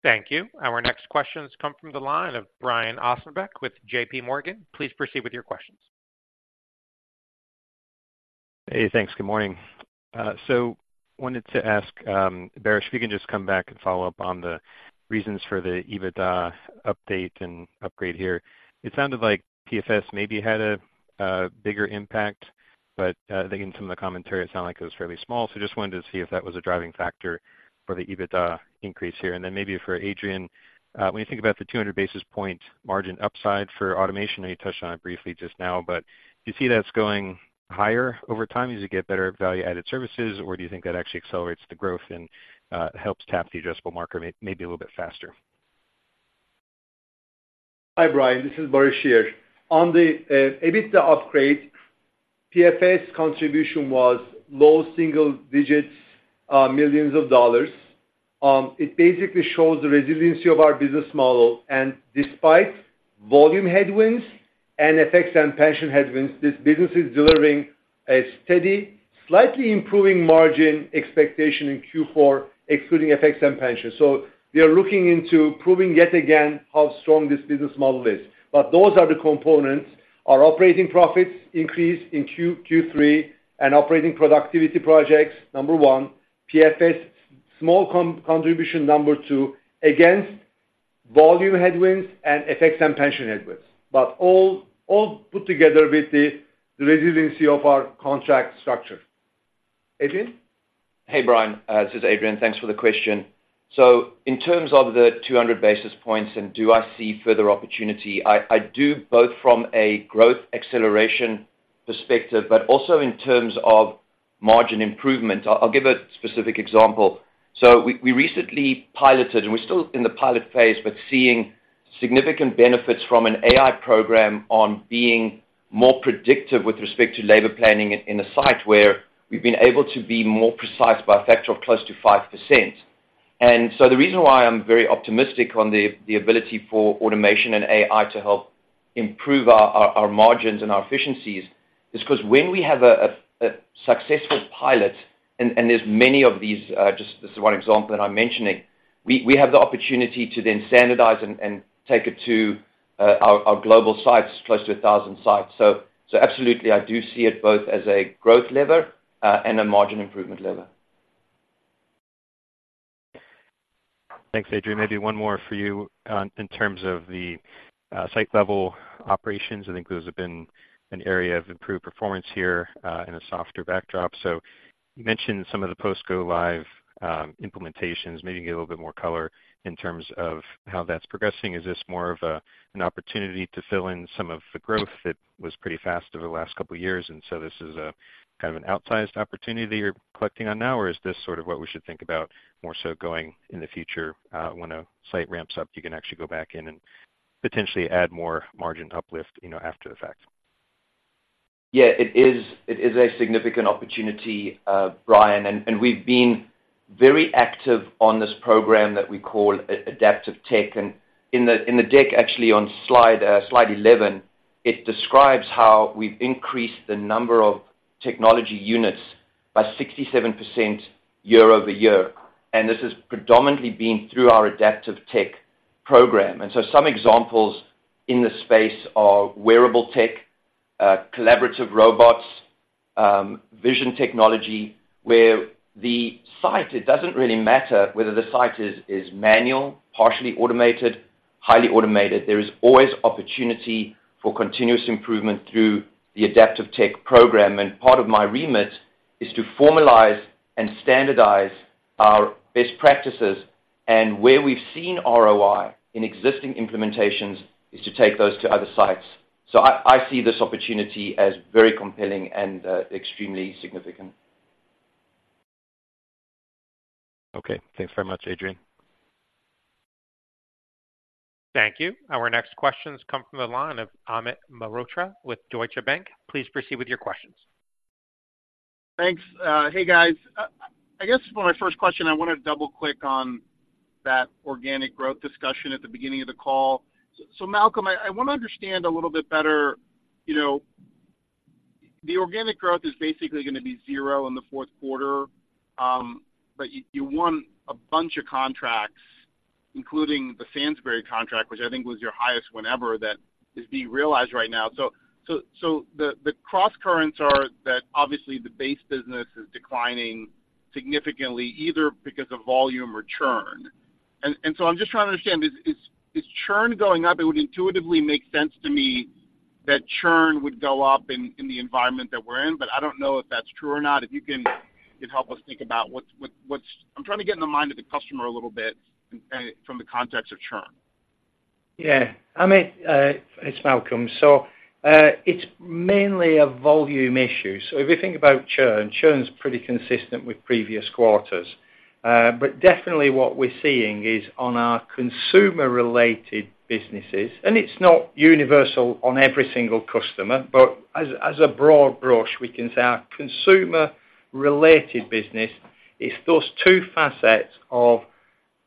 Thank you. Our next question has come from the line of Brian Ossenbeck with JPMorgan. Please proceed with your questions. Hey, thanks. Good morning. So wanted to ask, Baris, if you can just come back and follow up on the reasons for the EBITDA update and upgrade here. It sounded like PFS maybe had a bigger impact, but, I think in some of the commentary, it sounded like it was fairly small. So just wanted to see if that was a driving factor for the EBITDA increase here. And then maybe for Adrian, when you think about the 200 basis points margin upside for automation, and you touched on it briefly just now, but do you see that's going higher over time as you get better at value-added services, or do you think that actually accelerates the growth and, helps tap the addressable market maybe a little bit faster? Hi, Brian. This is Baris here. On the EBITDA upgrade, PFS contribution was low single digits million of dollars. It basically shows the resiliency of our business model, and despite volume headwinds and FX and pension headwinds, this business is delivering a steady, slightly improving margin expectation in Q4, excluding FX and pension. So we are looking into proving, yet again, how strong this business model is. But those are the components. Our operating profits increased in Q3, and operating productivity projects, number one, PFS, small contribution, number two, against volume headwinds and FX and pension headwinds, but all put together with the resiliency of our contract structure. Adrian? Hey, Brian, this is Adrian. Thanks for the question. So in terms of the 200 basis points, and do I see further opportunity, I, I do, both from a growth acceleration perspective, but also in terms of margin improvement. I'll, I'll give a specific example. So we, we recently piloted, and we're still in the pilot phase, but seeing significant benefits from an AI program on being more predictive with respect to labor planning in, in a site where we've been able to be more precise by a factor of close to 5%. And so the reason why I'm very optimistic on the ability for automation and AI to help improve our margins and our efficiencies is because when we have a successful pilot, and there's many of these, just this is one example, and I'm mentioning we have the opportunity to then standardize and take it to our global sites, close to 1,000 sites. So absolutely, I do see it both as a growth lever and a margin improvement lever. Thanks, Adrian. Maybe one more for you, in terms of the site-level operations. I think those have been an area of improved performance here, in a softer backdrop. So you mentioned some of the post go-live implementations. Maybe give a little bit more color in terms of how that's progressing. Is this more of a, an opportunity to fill in some of the growth that was pretty fast over the last couple of years, and so this is a kind of an outsized opportunity that you're collecting on now? Or is this sort of what we should think about more so going in the future, when a site ramps up, you can actually go back in and potentially add more margin uplift, you know, after the fact? Yeah, it is, it is a significant opportunity, Brian, and, and we've been very active on this program that we call Adaptive Tech. And in the, in the deck, actually, on slide 11, it describes how we've increased the number of technology units by 67% year-over-year, and this has predominantly been through our Adaptive Tech program. And so some examples in this space are wearable tech, collaborative robots, vision technology, where the site, it doesn't really matter whether the site is, is manual, partially automated, highly automated. There is always opportunity for continuous improvement through the Adaptive Tech program. And part of my remit is to formalize and standardize our best practices, and where we've seen ROI in existing implementations, is to take those to other sites. So I, I see this opportunity as very compelling and, extremely significant. Okay. Thanks very much, Adrian. Thank you. Our next questions come from the line of Amit Mehrotra with Deutsche Bank. Please proceed with your questions. Thanks. Hey, guys. I guess for my first question, I wanted to double-click on that organic growth discussion at the beginning of the call. So, Malcolm, I want to understand a little bit better. You know, the organic growth is basically gonna be zero in the fourth quarter, but you won a bunch of contracts, including the Sainsbury's contract, which I think was your highest ever whenever that is being realized right now. So, the crosscurrents are that obviously the base business is declining significantly, either because of volume or churn. And so I'm just trying to understand, is churn going up? It would intuitively make sense to me that churn would go up in the environment that we're in, but I don't know if that's true or not. If you can, help us think about what's. I'm trying to get in the mind of the customer a little bit, and from the context of churn. Yeah. Amit, it's Malcolm. So, it's mainly a volume issue. So if you think about churn, churn is pretty consistent with previous quarters. But definitely what we're seeing is on our consumer-related businesses, and it's not universal on every single customer, but as a broad brush, we can say our consumer-related business is those two facets of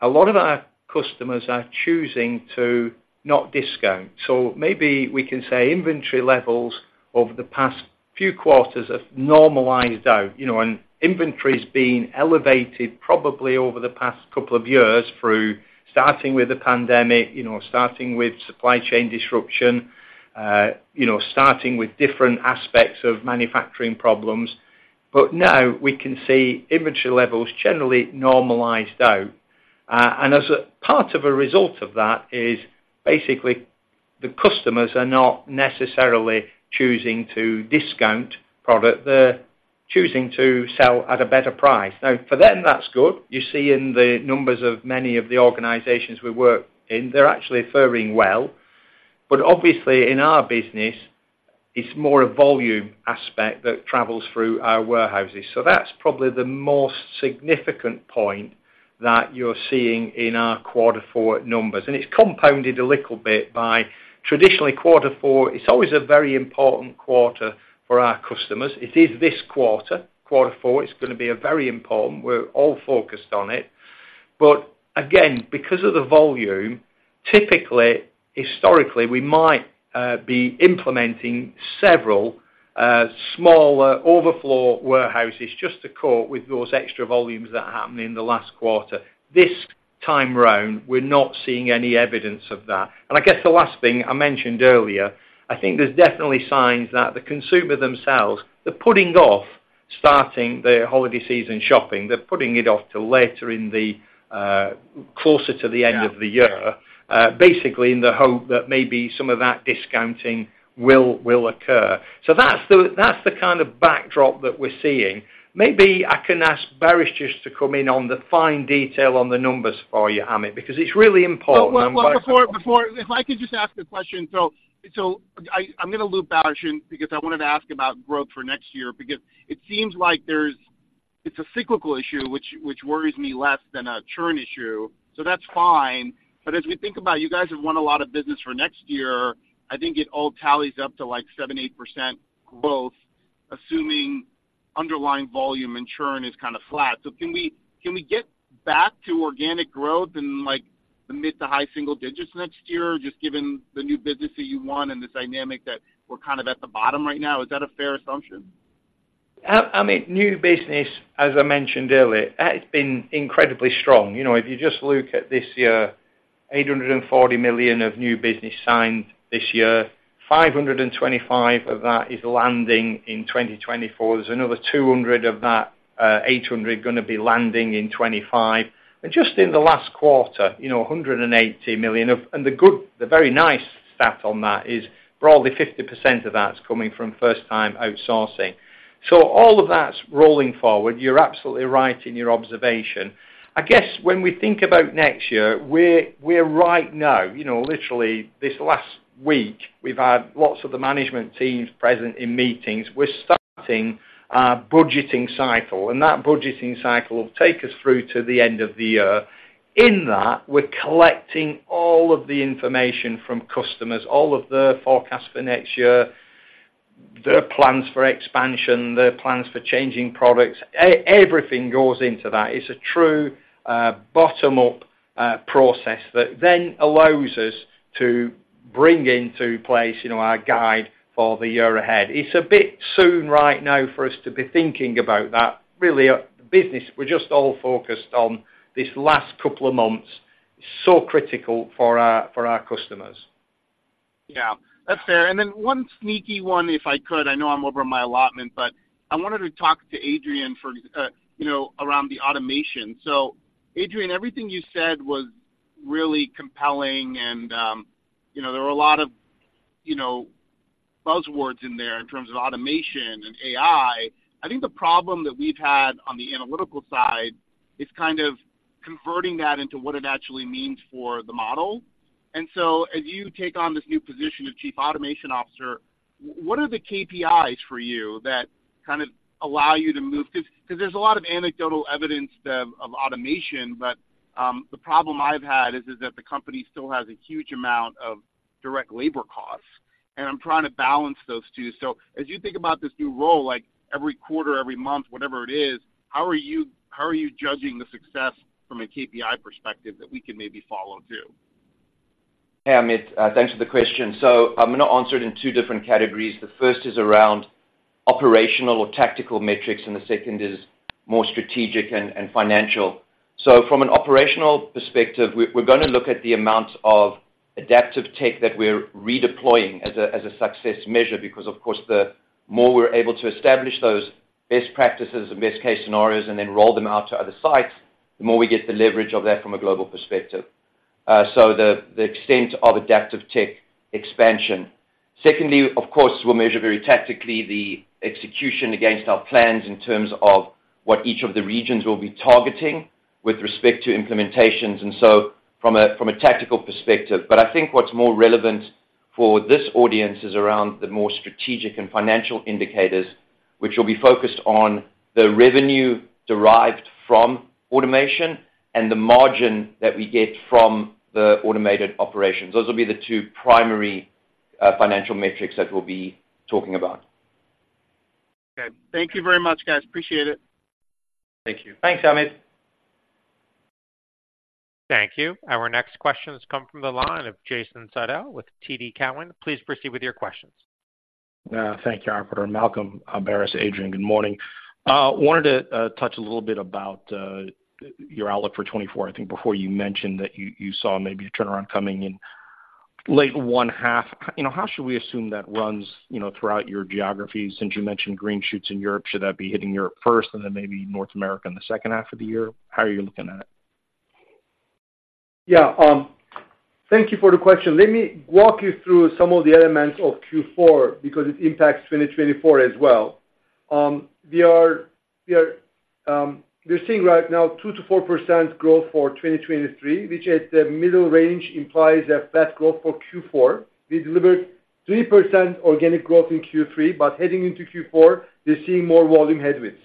a lot of our customers are choosing to not discount. So maybe we can say inventory levels over the past few quarters have normalized out, you know, and inventory's been elevated probably over the past couple of years through starting with the pandemic, you know, starting with supply Chain disruption, you know, starting with different aspects of manufacturing problems. But now we can see inventory levels generally normalized out. And as a part of a result of that is basically, the customers are not necessarily choosing to discount product. They're choosing to sell at a better price. Now, for them, that's good. You see in the numbers of many of the organizations we work in, they're actually faring well. But obviously, in our business, it's more a volume aspect that travels through our warehouses. So that's probably the most significant point that you're seeing in our quarter four numbers, and it's compounded a little bit by traditionally, quarter four, it's always a very important quarter for our customers. It is this quarter, quarter four, it's going to be a very important. We're all focused on it. But again, because of the volume, typically, historically, we might be implementing several smaller overflow warehouses just to cope with those extra volumes that happen in the last quarter. This time around, we're not seeing any evidence of that. And I guess the last thing I mentioned earlier, I think there's definitely signs that the consumer themselves, they're putting off starting their holiday season shopping. They're putting it off till later in the, closer to the end of the year, basically in the hope that maybe some of that discounting will, will occur. So that's the, that's the kind of backdrop that we're seeing. Maybe I can ask Baris just to come in on the fine detail on the numbers for you, Amit, because it's really important- Well, before, if I could just ask a question. So, I’m going to loop Baris in because I wanted to ask about growth for next year, because it seems like there’s—it’s a cyclical issue, which worries me less than a churn issue, so that’s fine. But as we think about, you guys have won a lot of business for next year. I think it all tallies up to, like, 7%-8% growth, assuming underlying volume and churn is kind of flat. So can we get back to organic growth in, like, the mid- to high-single digits next year, just given the new business that you won and this dynamic that we’re kind of at the bottom right now? Is that a fair assumption? Amit, new business, as I mentioned earlier, that has been incredibly strong. You know, if you just look at this year, $840 million of new business signed this year, 525 of that is landing in 2024. There's another 200 of that, 800 going to be landing in 2025. And just in the last quarter, you know, $180 million of. And the good, the very nice stat on that is broadly 50% of that's coming from first-time outsourcing. So all of that's rolling forward. You're absolutely right in your observation. I guess when we think about next year, we're, we're right now, you know, literally this last week, we've had lots of the management teams present in meetings. We're starting our budgeting cycle, and that budgeting cycle will take us through to the end of the year. In that, we're collecting all of the information from customers, all of the forecasts for next year, their plans for expansion, their plans for changing products. Everything goes into that. It's a true bottom-up process that then allows us to bring into place, you know, our guide for the year ahead. It's a bit soon right now for us to be thinking about that. Really, our business, we're just all focused on this last couple of months. So critical for our customers. Yeah, that's fair. And then one sneaky one, if I could. I know I'm over my allotment, but I wanted to talk to Adrian for, you know, around the automation. So Adrian, everything you said was really compelling and, you know, there were a lot of, you know, buzzwords in there in terms of automation and AI. I think the problem that we've had on the analytical side is kind of converting that into what it actually means for the model. And so as you take on this new position of Chief Automation Officer, what are the KPIs for you that kind of allow you to move? Because there's a lot of anecdotal evidence of automation, but the problem I've had is that the company still has a huge amount of direct labor costs, and I'm trying to balance those two. As you think about this new role, like every quarter, every month, whatever it is, how are you, how are you judging the success from a KPI perspective that we can maybe follow, too? Hey, Amit, thanks for the question. So I'm going to answer it in two different categories. The first is around operational or tactical metrics, and the second is more strategic and financial. So from an operational perspective, we're going to look at the amount of Adaptive Tech that we're redeploying as a success measure, because, of course, the more we're able to establish those best practices and best case scenarios and then roll them out to other sites, the more we get the leverage of that from a global perspective. So the extent of Adaptive Tech expansion. Secondly, of course, we'll measure very tactically the execution against our plans in terms of what each of the regions will be targeting with respect to implementations, and so from a tactical perspective. But I think what's more relevant for this audience is around the more strategic and financial indicators, which will be focused on the revenue derived from automation and the margin that we get from the automated operations. Those will be the two primary financial metrics that we'll be talking about. Okay. Thank you very much, guys. Appreciate it. Thank you. Thanks, Amit. Thank you. Our next question has come from the line of Jason Seidl with TD Cowen. Please proceed with your questions. Thank you, operator. Malcolm, Baris, Adrian, good morning. Wanted to touch a little bit about your outlook for 2024. I think before you mentioned that you saw maybe a turnaround coming in the latter half, you know, how should we assume that runs, you know, throughout your geographies? Since you mentioned green shoots in Europe, should that be hitting Europe first and then maybe North America in the second half of the year? How are you looking at it? Yeah, thank you for the question. Let me walk you through some of the elements of Q4, because it impacts 2024 as well. We're seeing right now 2%-4% growth for 2023, which at the middle range implies a flat growth for Q4. We delivered 3% organic growth in Q3, but heading into Q4, we're seeing more volume headwinds.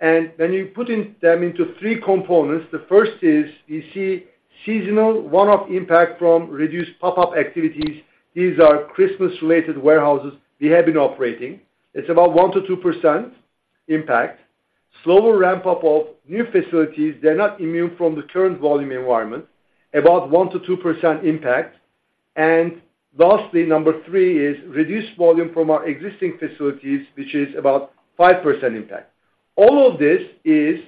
And when you put them into three components, the first is you see seasonal one-off impact from reduced pop-up activities. These are Christmas-related warehouses we have been operating. It's about 1%-2% impact. Slower ramp-up of new facilities, they're not immune from the current volume environment, about 1%-2% impact. And lastly, number three is reduced volume from our existing facilities, which is about 5% impact. All of this is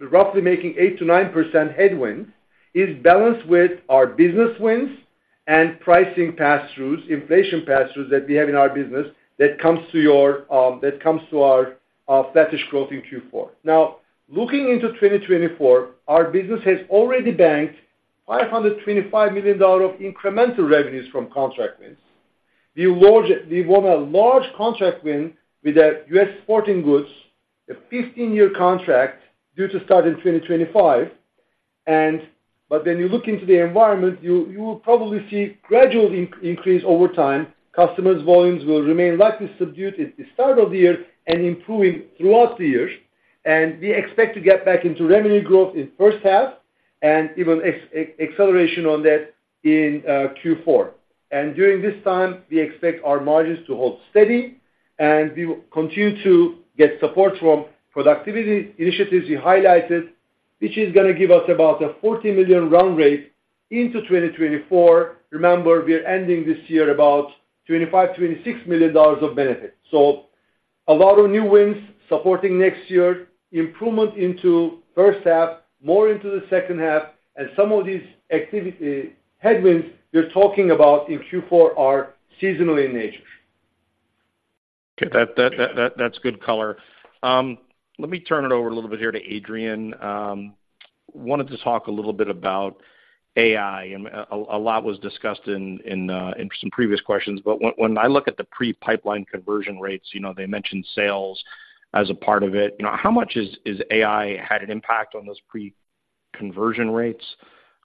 roughly making 8%-9% headwinds that is balanced with our business wins and pricing pass-throughs, inflation pass-throughs that we have in our business that comes to our flatish growth in Q4. Now, looking into 2024, our business has already banked $525 million of incremental revenues from contract wins. We won a large contract win with a U.S. sporting goods, a 15-year contract due to start in 2025. But when you look into the environment, you will probably see gradual increase over time. Customers' volumes will remain likely subdued at the start of the year and improving throughout the year. And we expect to get back into revenue growth in first half and even acceleration on that in Q4. During this time, we expect our margins to hold steady, and we will continue to get support from productivity initiatives we highlighted, which is gonna give us about a $40 million run rate into 2024. Remember, we are ending this year about $25 million-$26 million of benefit. So a lot of new wins supporting next year, improvement into first half, more into the second half, and some of these activity headwinds we're talking about in Q4 are seasonal in nature. Okay, that's good color. Let me turn it over a little bit here to Adrian. Wanted to talk a little bit about AI, and a lot was discussed in some previous questions. But when I look at the pre-pipeline conversion rates, you know, they mentioned sales as a part of it. You know, how much has AI had an impact on those pre-conversion rates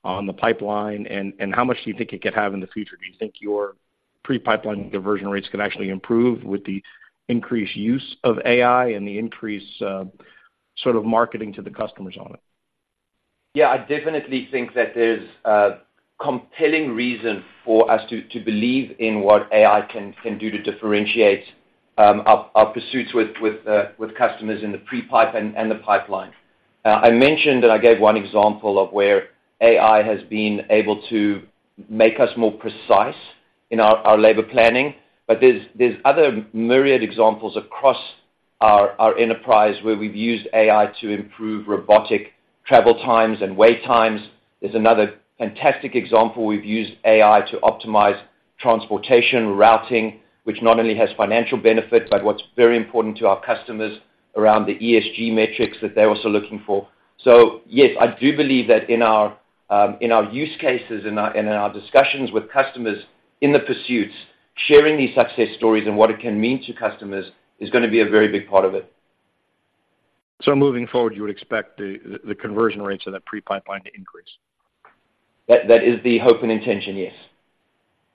on the pipeline? And how much do you think it could have in the future? Do you think your pre-pipeline conversion rates could actually improve with the increased use of AI and the increased sort of marketing to the customers on it? Yeah, I definitely think that there's a compelling reason for us to believe in what AI can do to differentiate our pursuits with customers in the pre-pipe and the pipeline. I mentioned and I gave one example of where AI has been able to make us more precise in our labor planning, but there's other myriad examples across our enterprise, where we've used AI to improve robotic travel times and wait times. There's another fantastic example. We've used AI to optimize transportation routing, which not only has financial benefits, but what's very important to our customers around the ESG metrics that they're also looking for. Yes, I do believe that in our use cases and in our discussions with customers in the pursuits, sharing these success stories and what it can mean to customers is gonna be a very big part of it. So moving forward, you would expect the conversion rates of that pre-pipeline to increase? That is the hope and intention, yes.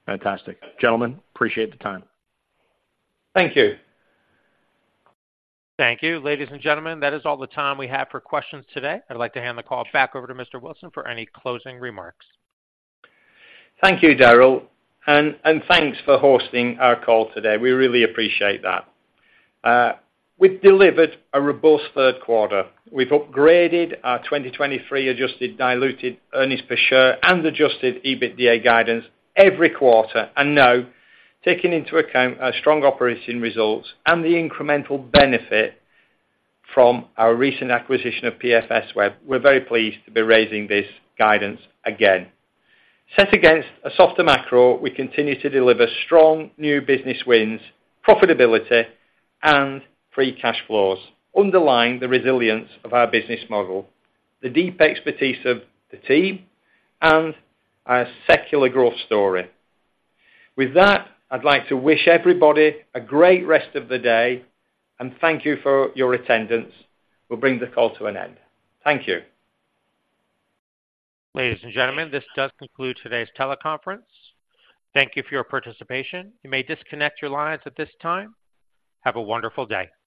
Fantastic. Gentlemen, appreciate the time. Thank you. Thank you. Ladies and gentlemen, that is all the time we have for questions today. I'd like to hand the call back over to Mr. Wilson for any closing remarks. Thank you, Daryl, and thanks for hosting our call today. We really appreciate that. We've delivered a robust third quarter. We've upgraded our 2023 adjusted diluted earnings per share and adjusted EBITDA guidance every quarter, and now, taking into account our strong operating results and the incremental benefit from our recent acquisition of PFSweb, we're very pleased to be raising this guidance again. Set against a softer macro, we continue to deliver strong new business wins, profitability, and free cash flows, underlying the resilience of our business model, the deep expertise of the team, and our secular growth story. With that, I'd like to wish everybody a great rest of the day, and thank you for your attendance. We'll bring the call to an end. Thank you. Ladies and gentlemen, this does conclude today's teleconference. Thank you for your participation. You may disconnect your lines at this time. Have a wonderful day.